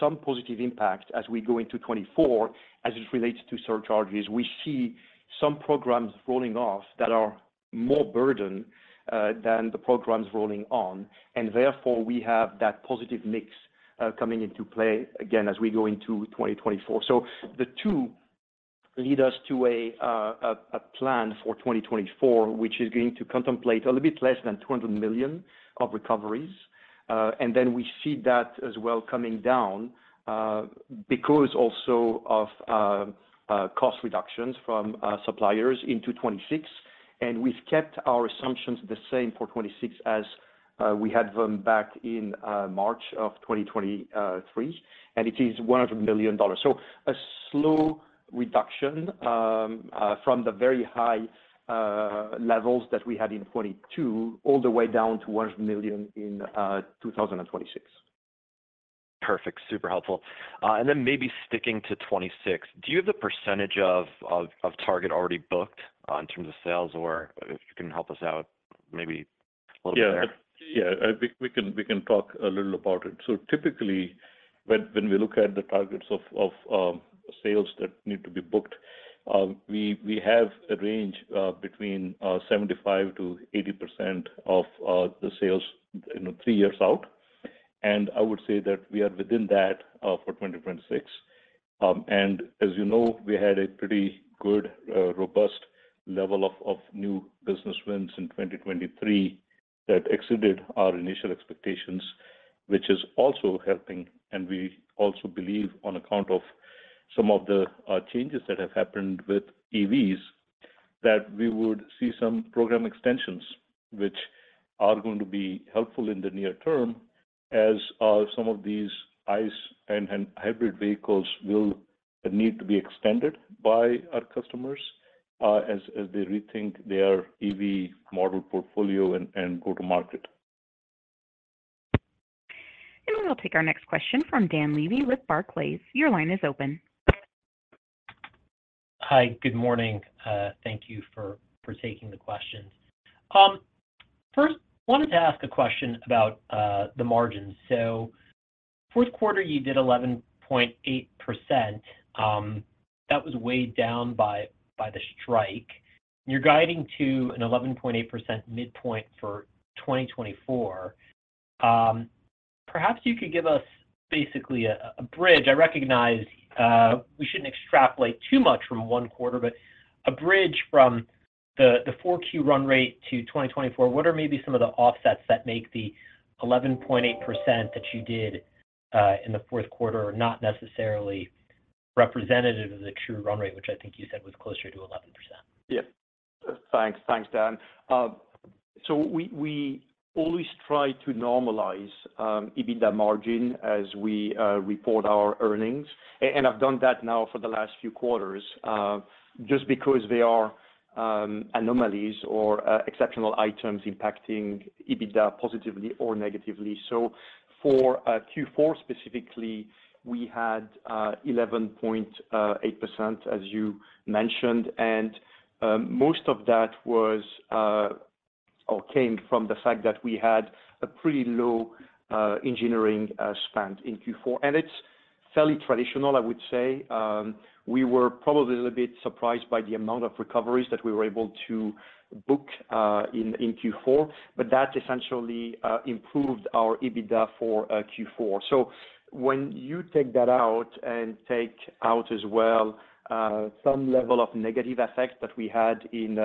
some positive impact as we go into 2024, as it relates to surcharges. We see some programs rolling off that are more burden than the programs rolling on, and therefore, we have that positive mix coming into play again as we go into 2024. So lead us to a plan for 2024, which is going to contemplate a little bit less than $200 million of recoveries. And then we see that as well coming down because also of cost reductions from suppliers into 2026. And we've kept our assumptions the same for 2026 as we had them back in March of 2023, and it is $100 million. So a slow reduction from the very high levels that we had in 2022, all the way down to $100 million in 2026. Perfect. Super helpful. And then maybe sticking to 2026, do you have the percentage of target already booked in terms of sales? Or if you can help us out, maybe a little bit there. Yeah. Yeah, we can talk a little about it. So typically, when we look at the targets of sales that need to be booked, we have a range between 75%-80% of the sales, you know, three years out. And I would say that we are within that for 2026. And as you know, we had a pretty good robust level of new business wins in 2023 that exceeded our initial expectations, which is also helping. And we also believe on account of some of the changes that have happened with EVs that we would see some program extensions, which are going to be helpful in the near term, as some of these ICE and hybrid vehicles will need to be extended by our customers, as they rethink their EV model portfolio and go to market. We'll take our next question from Dan Levy with Barclays. Your line is open. Hi, good morning. Thank you for taking the questions. First, wanted to ask a question about the margins. Fourth quarter, you did 11.8%. That was weighed down by the strike. You're guiding to an 11.8% midpoint for 2024. Perhaps you could give us basically a bridge. I recognize we shouldn't extrapolate too much from one quarter, but a bridge from the 4Q run rate to 2024. What are maybe some of the offsets that make the 11.8% that you did in the fourth quarter, not necessarily representative of the true run rate, which I think you said was closer to 11%? Yeah. Thanks. Thanks, Dan. So we, we always try to normalize EBITDA margin as we report our earnings. And I've done that now for the last few quarters, just because they are anomalies or exceptional items impacting EBITDA positively or negatively. So for Q4 specifically, we had 11.8%, as you mentioned, and most of that was or came from the fact that we had a pretty low engineering spend in Q4. And it's fairly traditional, I would say. We were probably a little bit surprised by the amount of recoveries that we were able to book in Q4, but that essentially improved our EBITDA for Q4. So when you take that out and take out as well, some level of negative effects that we had in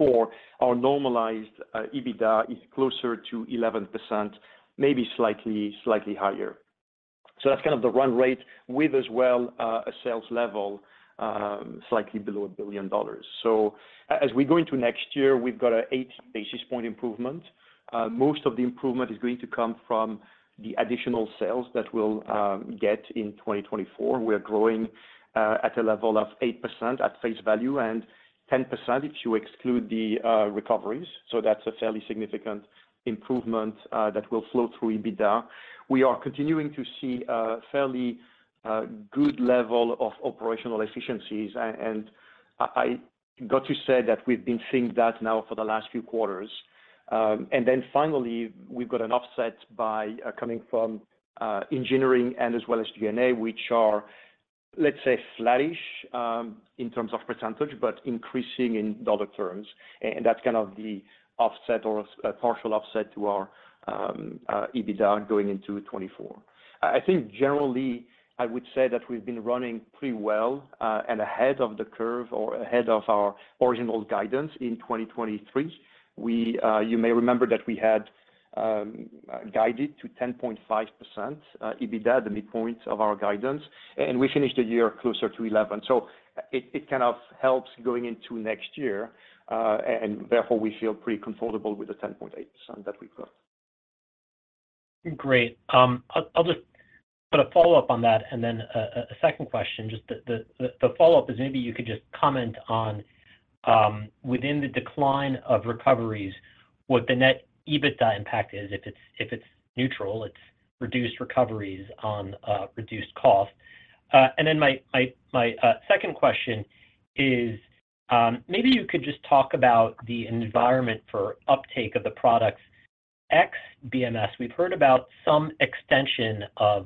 Q4, our normalized EBITDA is closer to 11%, maybe slightly higher. So that's kind of the run rate with as well a sales level slightly below $1 billion. So as we go into next year, we've got an 8 basis point improvement. Most of the improvement is going to come from the additional sales that we'll get in 2024. We're growing at a level of 8% at face value and 10% if you exclude the recoveries. So that's a fairly significant improvement that will flow through EBITDA. We are continuing to see a fairly good level of operational efficiencies, and I got to say that we've been seeing that now for the last few quarters. And then finally, we've got an offset by coming from engineering and as well as SG&A, which are, let's say, flattish in terms of percentage, but increasing in dollar terms. And that's kind of the offset or a partial offset to our EBITDA going into 2024. I think generally, I would say that we've been running pretty well, and ahead of the curve or ahead of our original guidance in 2023. You may remember that we had guided to 10.5% EBITDA, the midpoint of our guidance, and we finished the year closer to 11%. So it kind of helps going into next year, and therefore, we feel pretty comfortable with the 10.8% that we've got. Great. I'll just put a follow-up on that and then a second question. Just the follow-up is, maybe you could just comment on within the decline of recoveries, what the net EBITDA impact is, if it's neutral, it's reduced recoveries on reduced cost. And then my second question is, maybe you could just talk about the environment for uptake of the products ex BMS. We've heard about some extension of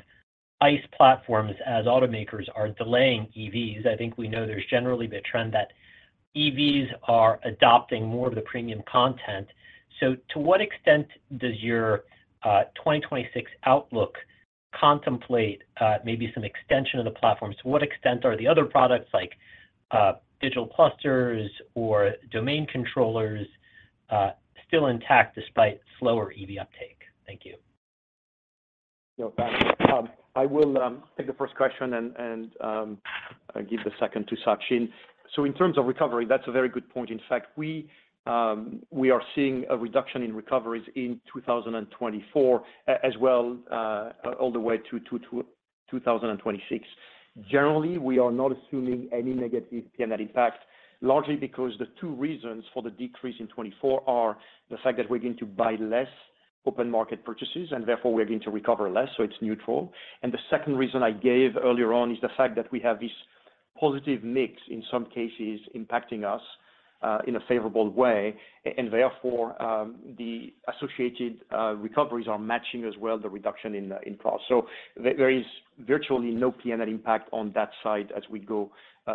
ICE platforms as automakers are delaying EVs. I think we know there's generally been a trend that EVs are adopting more of the premium content. So to what extent does your 2026 outlook contemplate maybe some extension of the platform. To what extent are the other products, like digital clusters or domain controllers, still intact despite slower EV uptake? Thank you. Yeah, I will take the first question and give the second to Sachin. So in terms of recovery, that's a very good point. In fact, we are seeing a reduction in recoveries in 2024, as well, all the way to 2026. Generally, we are not assuming any negative P&L impact, largely because the two reasons for the decrease in 2024 are the fact that we're going to buy less open market purchases, and therefore we are going to recover less, so it's neutral. And the second reason I gave earlier on is the fact that we have this positive mix in some cases impacting us in a favorable way, and therefore the associated recoveries are matching as well, the reduction in the cost. So there is virtually no P&L impact on that side as we go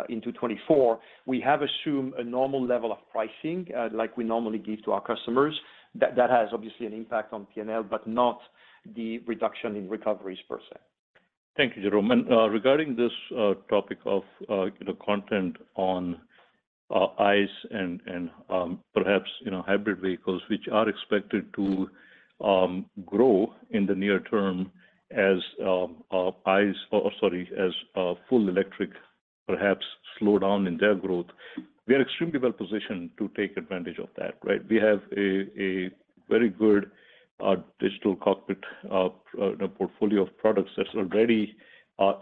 into 2024. We have assumed a normal level of pricing, like we normally give to our customers. That has obviously an impact on P&L, but not the reduction in recoveries per se. Thank you, Jérôme. And regarding this topic of, you know, content on ICE and perhaps, you know, hybrid vehicles, which are expected to grow in the near term as ICE, sorry, as full electric perhaps slow down in their growth, we are extremely well positioned to take advantage of that, right? We have a very good digital cockpit, you know, portfolio of products that's already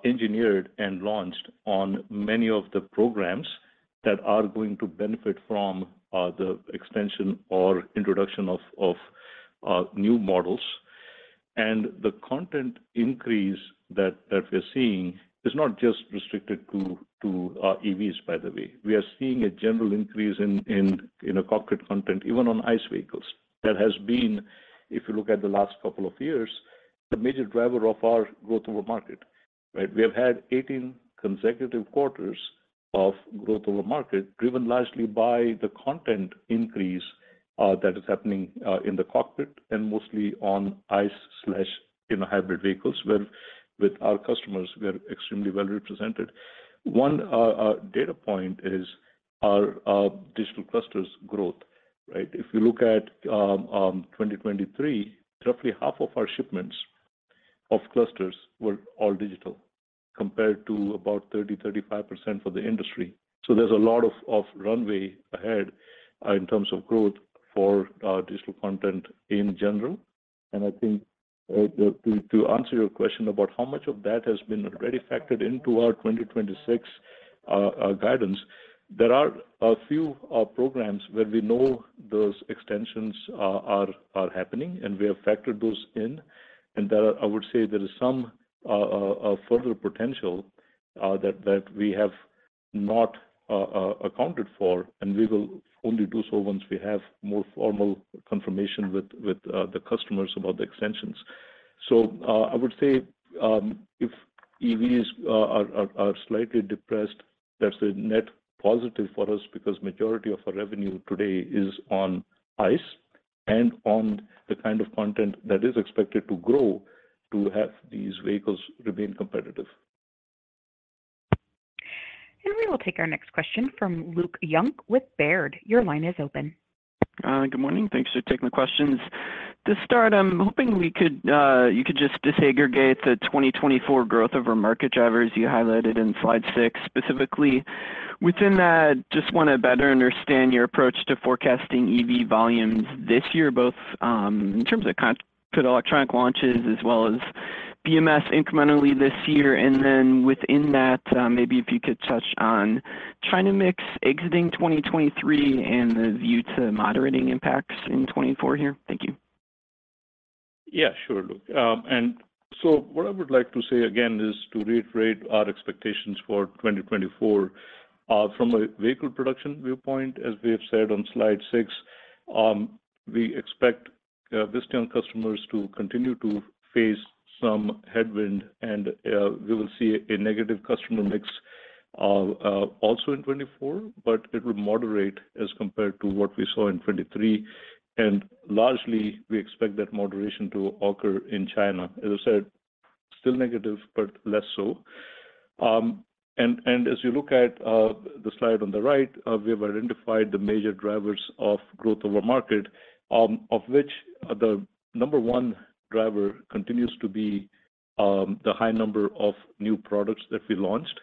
engineered and launched on many of the programs that are going to benefit from the extension or introduction of new models. The content increase that we're seeing is not just restricted to EVs, by the way. We are seeing a general increase in cockpit content, even on ICE vehicles. That has been, if you look at the last couple of years, the major driver of our growth over market, right? We have had 18 consecutive quarters of growth over market, driven largely by the content increase that is happening in the cockpit and mostly on ICE in hybrid vehicles, where with our customers, we are extremely well represented. One data point is our digital clusters growth, right? If you look at 2023, roughly half of our shipments of clusters were all digital, compared to about 30%-35% for the industry. So there's a lot of runway ahead in terms of growth for our digital content in general. And I think to answer your question about how much of that has been already factored into our 2026 guidance, there are a few programs where we know those extensions are happening, and we have factored those in. And there are, I would say there is some further potential that we have not accounted for, and we will only do so once we have more formal confirmation with the customers about the extensions. So, I would say, if EVs are slightly depressed, that's a net positive for us because majority of our revenue today is on ICE and on the kind of content that is expected to grow to have these vehicles remain competitive. We will take our next question from Luke Junk with Baird. Your line is open. Good morning. Thanks for taking the questions. To start, I'm hoping we could, you could just disaggregate the 2024 growth over market drivers you highlighted in slide six. Specifically, within that, just wanna better understand your approach to forecasting EV volumes this year, both, in terms of cockpit electronic launches as well as BMS incrementally this year. And then within that, maybe if you could touch on China mix exiting 2023 and the view to moderating impacts in 2024 here. Thank you. Yeah, sure, Luke. And so what I would like to say again is to reiterate our expectations for 2024. From a vehicle production viewpoint, as we have said on slide six, we expect Visteon customers to continue to face some headwind, and we will see a negative customer mix also in 2024, but it will moderate as compared to what we saw in 2023. Largely, we expect that moderation to occur in China. As I said, still negative, but less so. And as you look at the slide on the right, we have identified the major drivers of growth over market, of which the number one driver continues to be the high number of new products that we launched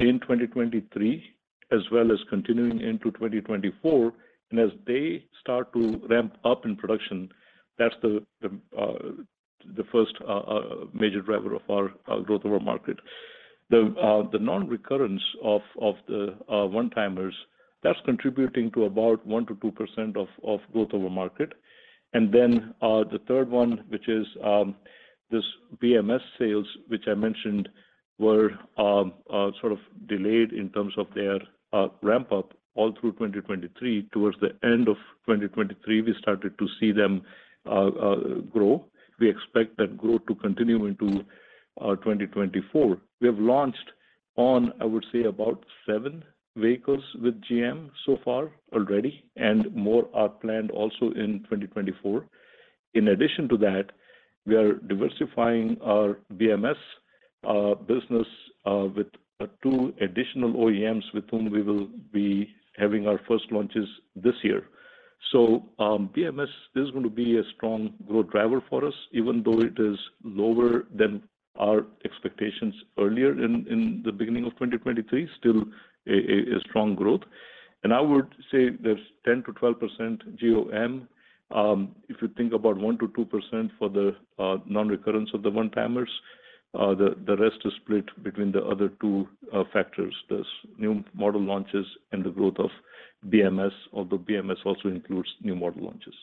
in 2023, as well as continuing into 2024. As they start to ramp up in production, that's the first major driver of our growth over market. The non-recurrence of the one-timers, that's contributing to about 1%-2% of growth over market. Then the third one, which is this BMS sales, which I mentioned, were sort of delayed in terms of their ramp-up all through 2023. Towards the end of 2023, we started to see them grow. We expect that growth to continue into 2024. We have launched on, I would say, about seven vehicles with GM so far already, and more are planned also in 2024. In addition to that, we are diversifying our BMS business with two additional OEMs with whom we will be having our first launches this year. So, BMS is going to be a strong growth driver for us, even though it is lower than our expectations earlier in the beginning of 2023, still a strong growth. And I would say there's 10%-12% GOM. If you think about 1%-2% for the non-recurrence of the one-timers, the rest is split between the other two factors, this new model launches and the growth of BMS, although BMS also includes new model launches.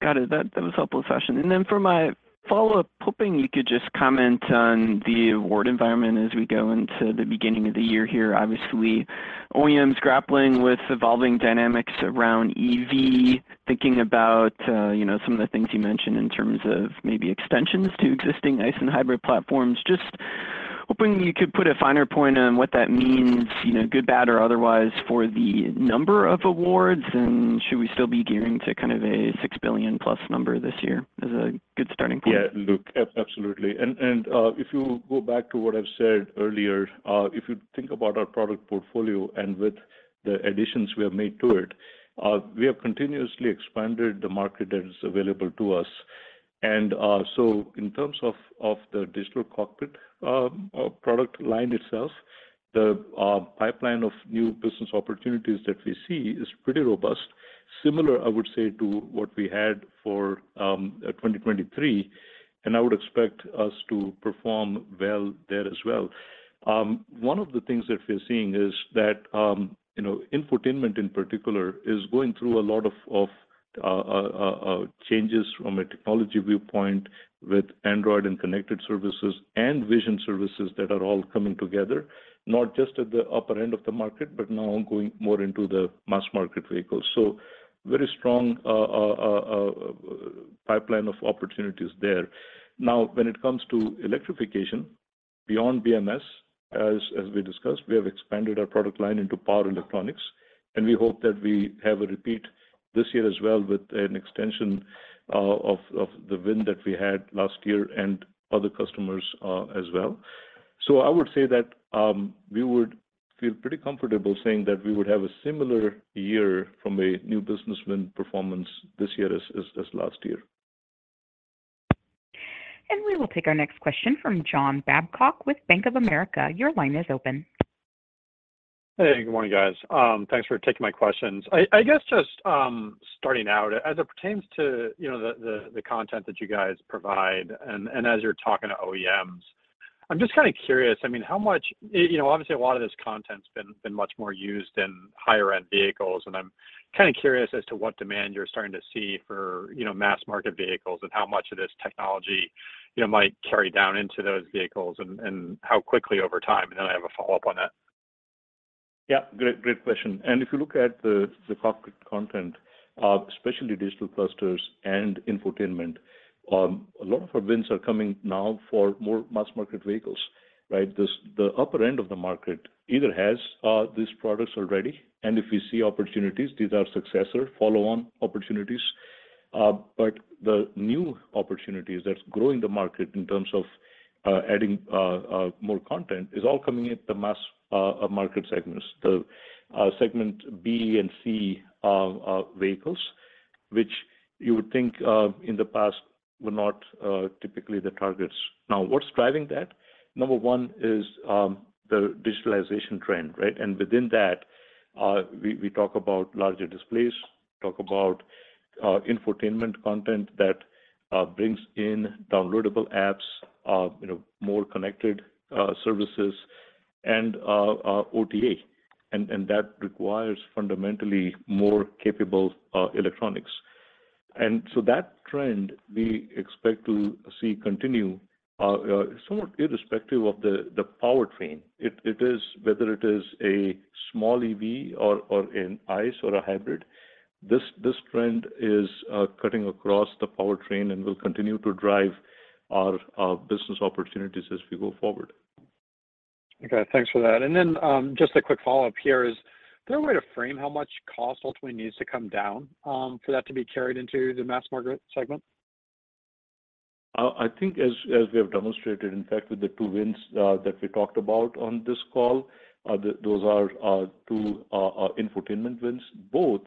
Got it. That was a helpful session. Then for my follow-up, hoping you could just comment on the award environment as we go into the beginning of the year here. Obviously, OEMs grappling with evolving dynamics around EV, thinking about, you know, some of the things you mentioned in terms of maybe extensions to existing ICE and hybrid platforms. Just hoping you could put a finer point on what that means, you know, good, bad, or otherwise, for the number of awards. And should we still be gearing to kind of a $6 billion+ number this year as a good starting point? Yeah, look, absolutely. And if you go back to what I've said earlier, if you think about our product portfolio and with the additions we have made to it, we have continuously expanded the market that is available to us. And so in terms of the digital cockpit product line itself, the pipeline of new business opportunities that we see is pretty robust. Similar, I would say, to what we had for 2023, and I would expect us to perform well there as well. One of the things that we're seeing is that, you know, infotainment in particular is going through a lot of changes from a technology viewpoint with Android and connected services and vision services that are all coming together, not just at the upper end of the market, but now going more into the mass market vehicles. So very strong pipeline of opportunities there. Now, when it comes to electrification, beyond BMS, as we discussed, we have expanded our product line into power electronics, and we hope that we have a repeat this year as well with an extension of the win that we had last year and other customers, as well. So I would say that we would feel pretty comfortable saying that we would have a similar year from a new business win performance this year as last year. We will take our next question from John Babcock with Bank of America. Your line is open. Hey, good morning, guys. Thanks for taking my questions. I guess just starting out, as it pertains to, you know, the content that you guys provide and as you're talking to OEMs, I'm just kinda curious, I mean, how much—you know, obviously, a lot of this content's been much more used in higher-end vehicles, and I'm kinda curious as to what demand you're starting to see for, you know, mass-market vehicles and how much of this technology, you know, might carry down into those vehicles and how quickly over time? And then I have a follow-up on that. Yeah, great, great question. If you look at the cockpit content, especially digital clusters and infotainment, a lot of our wins are coming now for more mass-market vehicles, right? This, the upper end of the market either has these products already, and if we see opportunities, these are successor follow-on opportunities. But the new opportunities that's growing the market in terms of adding more content is all coming at the mass market segments. The segment B and C vehicles, which you would think in the past were not typically the targets. Now, what's driving that? Number one is the digitalization trend, right? Within that, we talk about larger displays, talk about infotainment content that brings in downloadable apps, you know, more connected services and OTA. That requires fundamentally more capable electronics. So that trend, we expect to see continue somewhat irrespective of the powertrain. It is, whether it is a small EV or an ICE or a hybrid, this trend is cutting across the powertrain and will continue to drive our business opportunities as we go forward. Okay, thanks for that. And then, just a quick follow-up here is, is there a way to frame how much cost ultimately needs to come down, for that to be carried into the mass market segment? I think as we have demonstrated, in fact, with the two wins that we talked about on this call, those are two infotainment wins. Both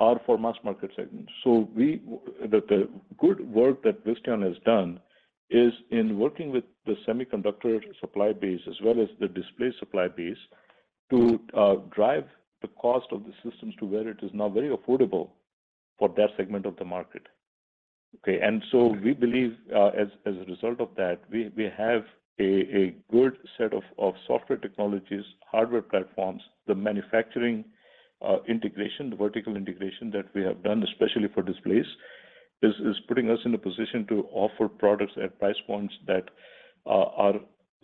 are for mass market segments. So the good work that Visteon has done is in working with the semiconductor supply base as well as the display supply base, to drive the cost of the systems to where it is now very affordable for that segment of the market. Okay. And so we believe, as a result of that, we have a good set of software technologies, hardware platforms, the manufacturing integration, the vertical integration that we have done, especially for displays, is putting us in a position to offer products at price points that are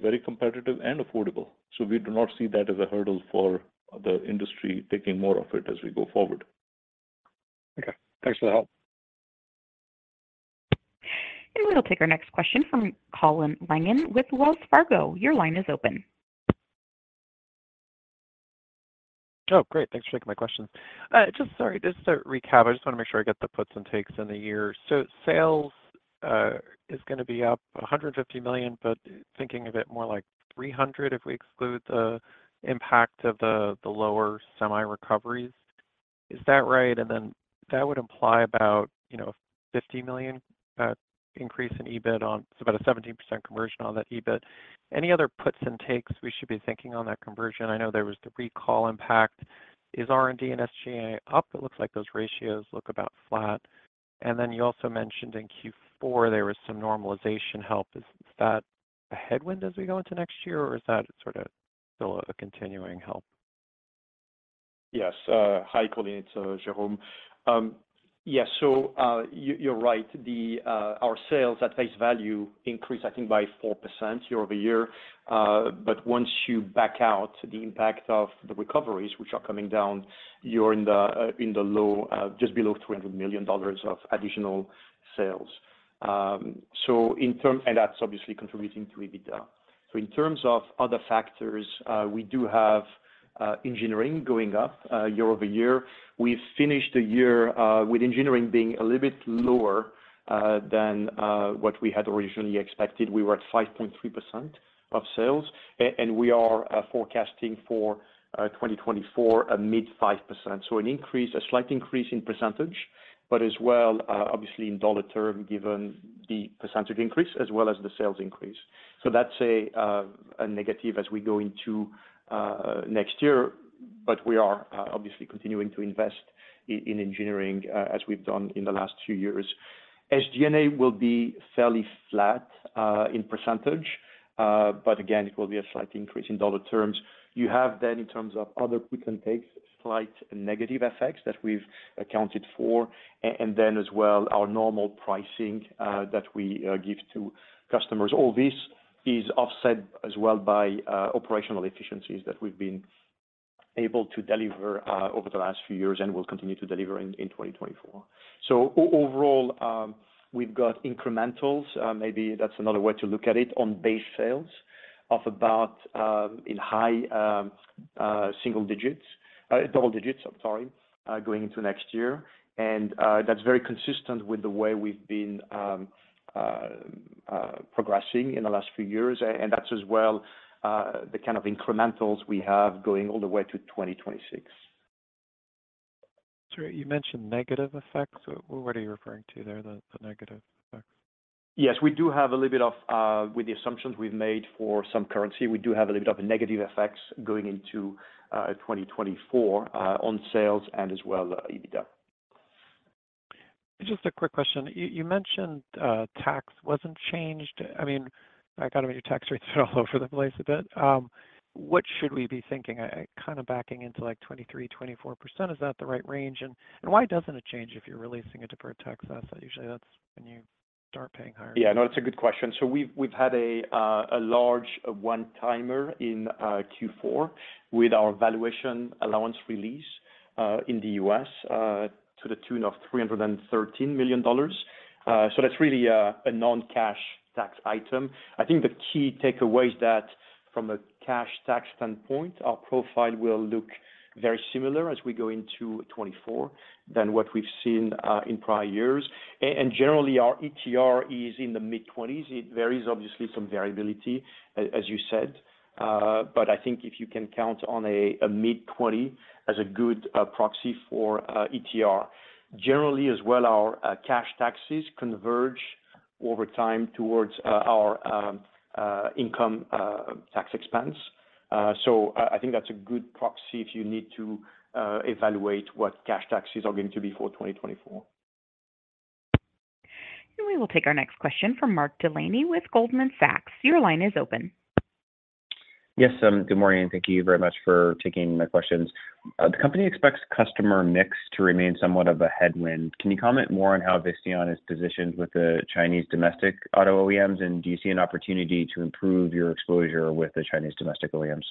very competitive and affordable. We do not see that as a hurdle for the industry taking more of it as we go forward. Okay. Thanks for the help.... We'll take our next question from Colin Langan with Wells Fargo. Your line is open. Oh, great. Thanks for taking my question. Just sorry, just to recap, I just wanna make sure I get the puts and takes in the year. So sales is gonna be up $150 million, but thinking of it more like $300 million if we exclude the impact of the lower semi recoveries. Is that right? And then that would imply about, you know, $50 million increase in EBIT, so about a 17% conversion on that EBIT. Any other puts and takes we should be thinking on that conversion? I know there was the recall impact. Is R&D and SG&A up? It looks like those ratios look about flat. And then you also mentioned in Q4 there was some normalization help. Is that a headwind as we go into next year, or is that sort of still a continuing help? Yes. Hi, Colin, it's Jérôme. Yes, so you're right. Our sales at face value increased, I think, by 4% year-over-year. But once you back out the impact of the recoveries, which are coming down, you're in the low just below $200 million of additional sales. So in term... And that's obviously contributing to EBITDA. So in terms of other factors, we do have engineering going up year-over-year. We've finished the year with engineering being a little bit lower than what we had originally expected. We were at 5.3% of sales, and we are forecasting for 2024, a mid-5%. So an increase, a slight increase in percentage, but as well, obviously in dollar term, given the percentage increase as well as the sales increase. So that's a negative as we go into next year, but we are obviously continuing to invest in engineering, as we've done in the last few years. SG&A will be fairly flat in percentage, but again, it will be a slight increase in dollar terms. You have then, in terms of other puts and takes, slight negative effects that we've accounted for, and then as well, our normal pricing that we give to customers. All this is offset as well by operational efficiencies that we've been able to deliver over the last few years and will continue to deliver in 2024. So overall, we've got incrementals, maybe that's another way to look at it, on base sales of about in high single digits, double digits, I'm sorry, going into next year. That's very consistent with the way we've been progressing in the last few years. And that's as well the kind of incrementals we have going all the way to 2026. So you mentioned negative effects. What are you referring to there, the negative effects? Yes, we do have a little bit of. With the assumptions we've made for some currency, we do have a little bit of negative effects going into 2024 on sales and, as well, EBITDA. Just a quick question. You, you mentioned tax wasn't changed. I mean, I got it, your tax rates are all over the place a bit. What should we be thinking? Kind of backing into, like, 23%-24%, is that the right range? And, and why doesn't it change if you're releasing a deferred tax? That's usually, that's when you start paying higher. Yeah, no, that's a good question. So we've had a large one-timer in Q4 with our valuation allowance release in the U.S. to the tune of $313 million. So that's really a non-cash tax item. I think the key takeaway is that from a cash tax standpoint, our profile will look very similar as we go into 2024 than what we've seen in prior years. And generally, our ETR is in the mid-20s. It varies, obviously, some variability, as you said, but I think if you can count on a mid-20 as a good proxy for ETR. Generally, as well, our cash taxes converge over time towards our income tax expense. So, I think that's a good proxy if you need to evaluate what cash taxes are going to be for 2024. We will take our next question from Mark Delaney with Goldman Sachs. Your line is open. Yes, good morning, and thank you very much for taking my questions. The company expects customer mix to remain somewhat of a headwind. Can you comment more on how Visteon is positioned with the Chinese domestic auto OEMs? And do you see an opportunity to improve your exposure with the Chinese domestic OEMs?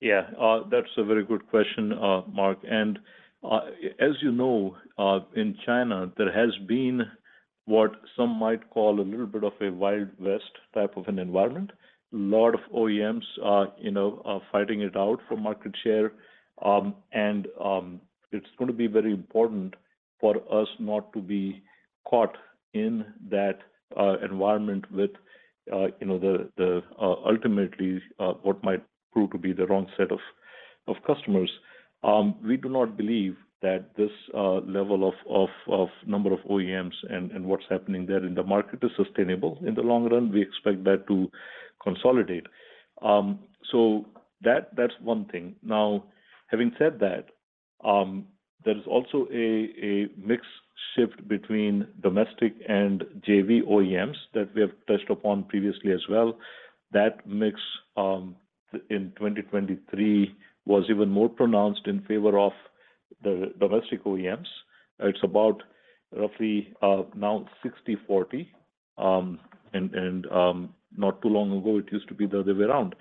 Yeah, that's a very good question, Mark. And, as you know, in China, there has been what some might call a little bit of a wild west type of an environment. A lot of OEMs are, you know, fighting it out for market share, and it's gonna be very important for us not to be caught in that environment with, you know, the ultimately what might prove to be the wrong set of customers. We do not believe that this level of number of OEMs and what's happening there in the market is sustainable in the long run. We expect that to consolidate. So that's one thing. Now, having said that, there is also a mix shift between domestic and JV OEMs that we have touched upon previously as well. That mix, in 2023, was even more pronounced in favor of the domestic OEMs. It's about roughly now 60/40.... and, not too long ago, it used to be the other way around.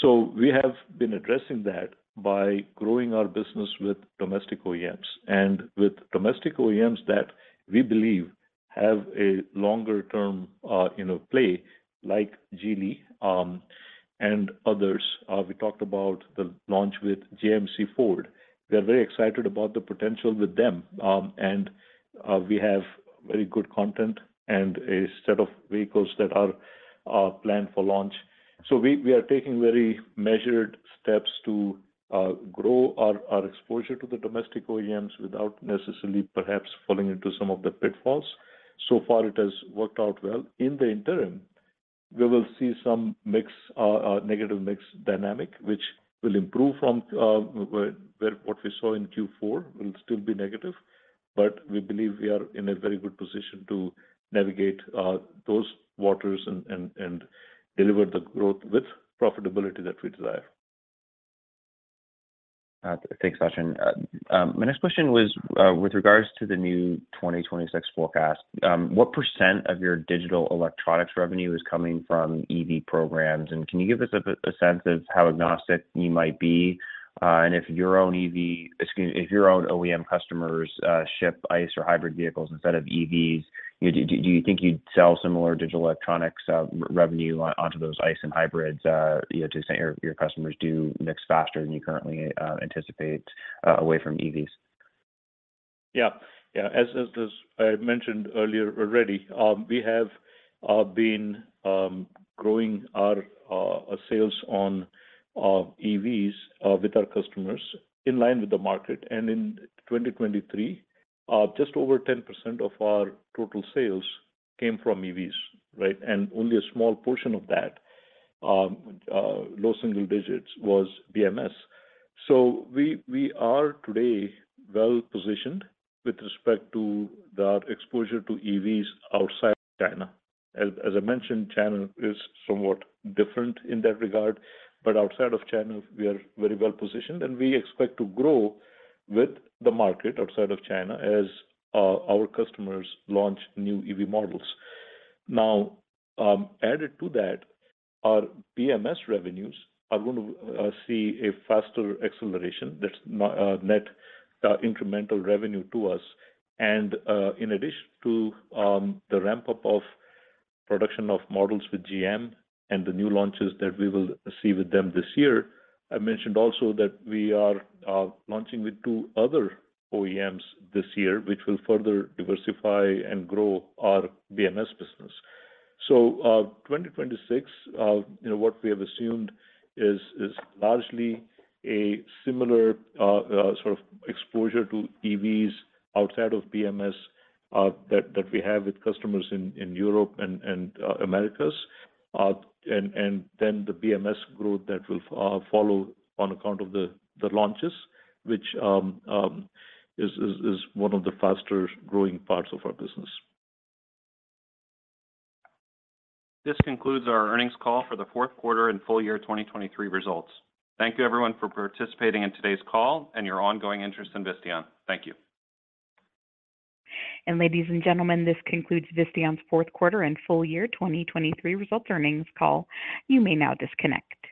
So we have been addressing that by growing our business with domestic OEMs. And with domestic OEMs that we believe have a longer-term, you know, play, like Geely, and others. We talked about the launch with JMC Ford. We are very excited about the potential with them, and, we have very good content and a set of vehicles that are planned for launch. So we are taking very measured steps to grow our exposure to the domestic OEMs without necessarily perhaps falling into some of the pitfalls. So far, it has worked out well. In the interim, we will see some negative mix dynamic, which will improve from what we saw in Q4, will still be negative, but we believe we are in a very good position to navigate those waters and deliver the growth with profitability that we desire. Thanks, Sachin. My next question was, with regards to the new 2026 forecast. What percent of your digital electronics revenue is coming from EV programs? And can you give us a sense of how agnostic you might be? And if your own EV—excuse me, if your own OEM customers ship ICE or hybrid vehicles instead of EVs, do you think you'd sell similar digital electronics revenue onto those ICE and hybrids, you know, just say your customers do mix faster than you currently anticipate away from EVs? Yeah. Yeah. As I mentioned earlier already, we have been growing our sales on EVs with our customers in line with the market. And in 2023, just over 10% of our total sales came from EVs, right? And only a small portion of that, low single digits was BMS. So we are today well positioned with respect to our exposure to EVs outside China. As I mentioned, China is somewhat different in that regard, but outside of China, we are very well positioned, and we expect to grow with the market outside of China as our customers launch new EV models. Now, added to that, our BMS revenues are going to see a faster acceleration. That's not net incremental revenue to us. And, in addition to, the ramp-up of production of models with GM and the new launches that we will see with them this year, I mentioned also that we are launching with two other OEMs this year, which will further diversify and grow our BMS business. So, 2026, you know, what we have assumed is largely a similar sort of exposure to EVs outside of BMS that we have with customers in Europe and Americas. And then the BMS growth that will follow on account of the launches, which is one of the faster growing parts of our business. This concludes our earnings call for the fourth quarter and full year 2023 results. Thank you, everyone, for participating in today's call and your ongoing interest in Visteon. Thank you. Ladies and gentlemen, this concludes Visteon's fourth quarter and full year 2023 results earnings call. You may now disconnect.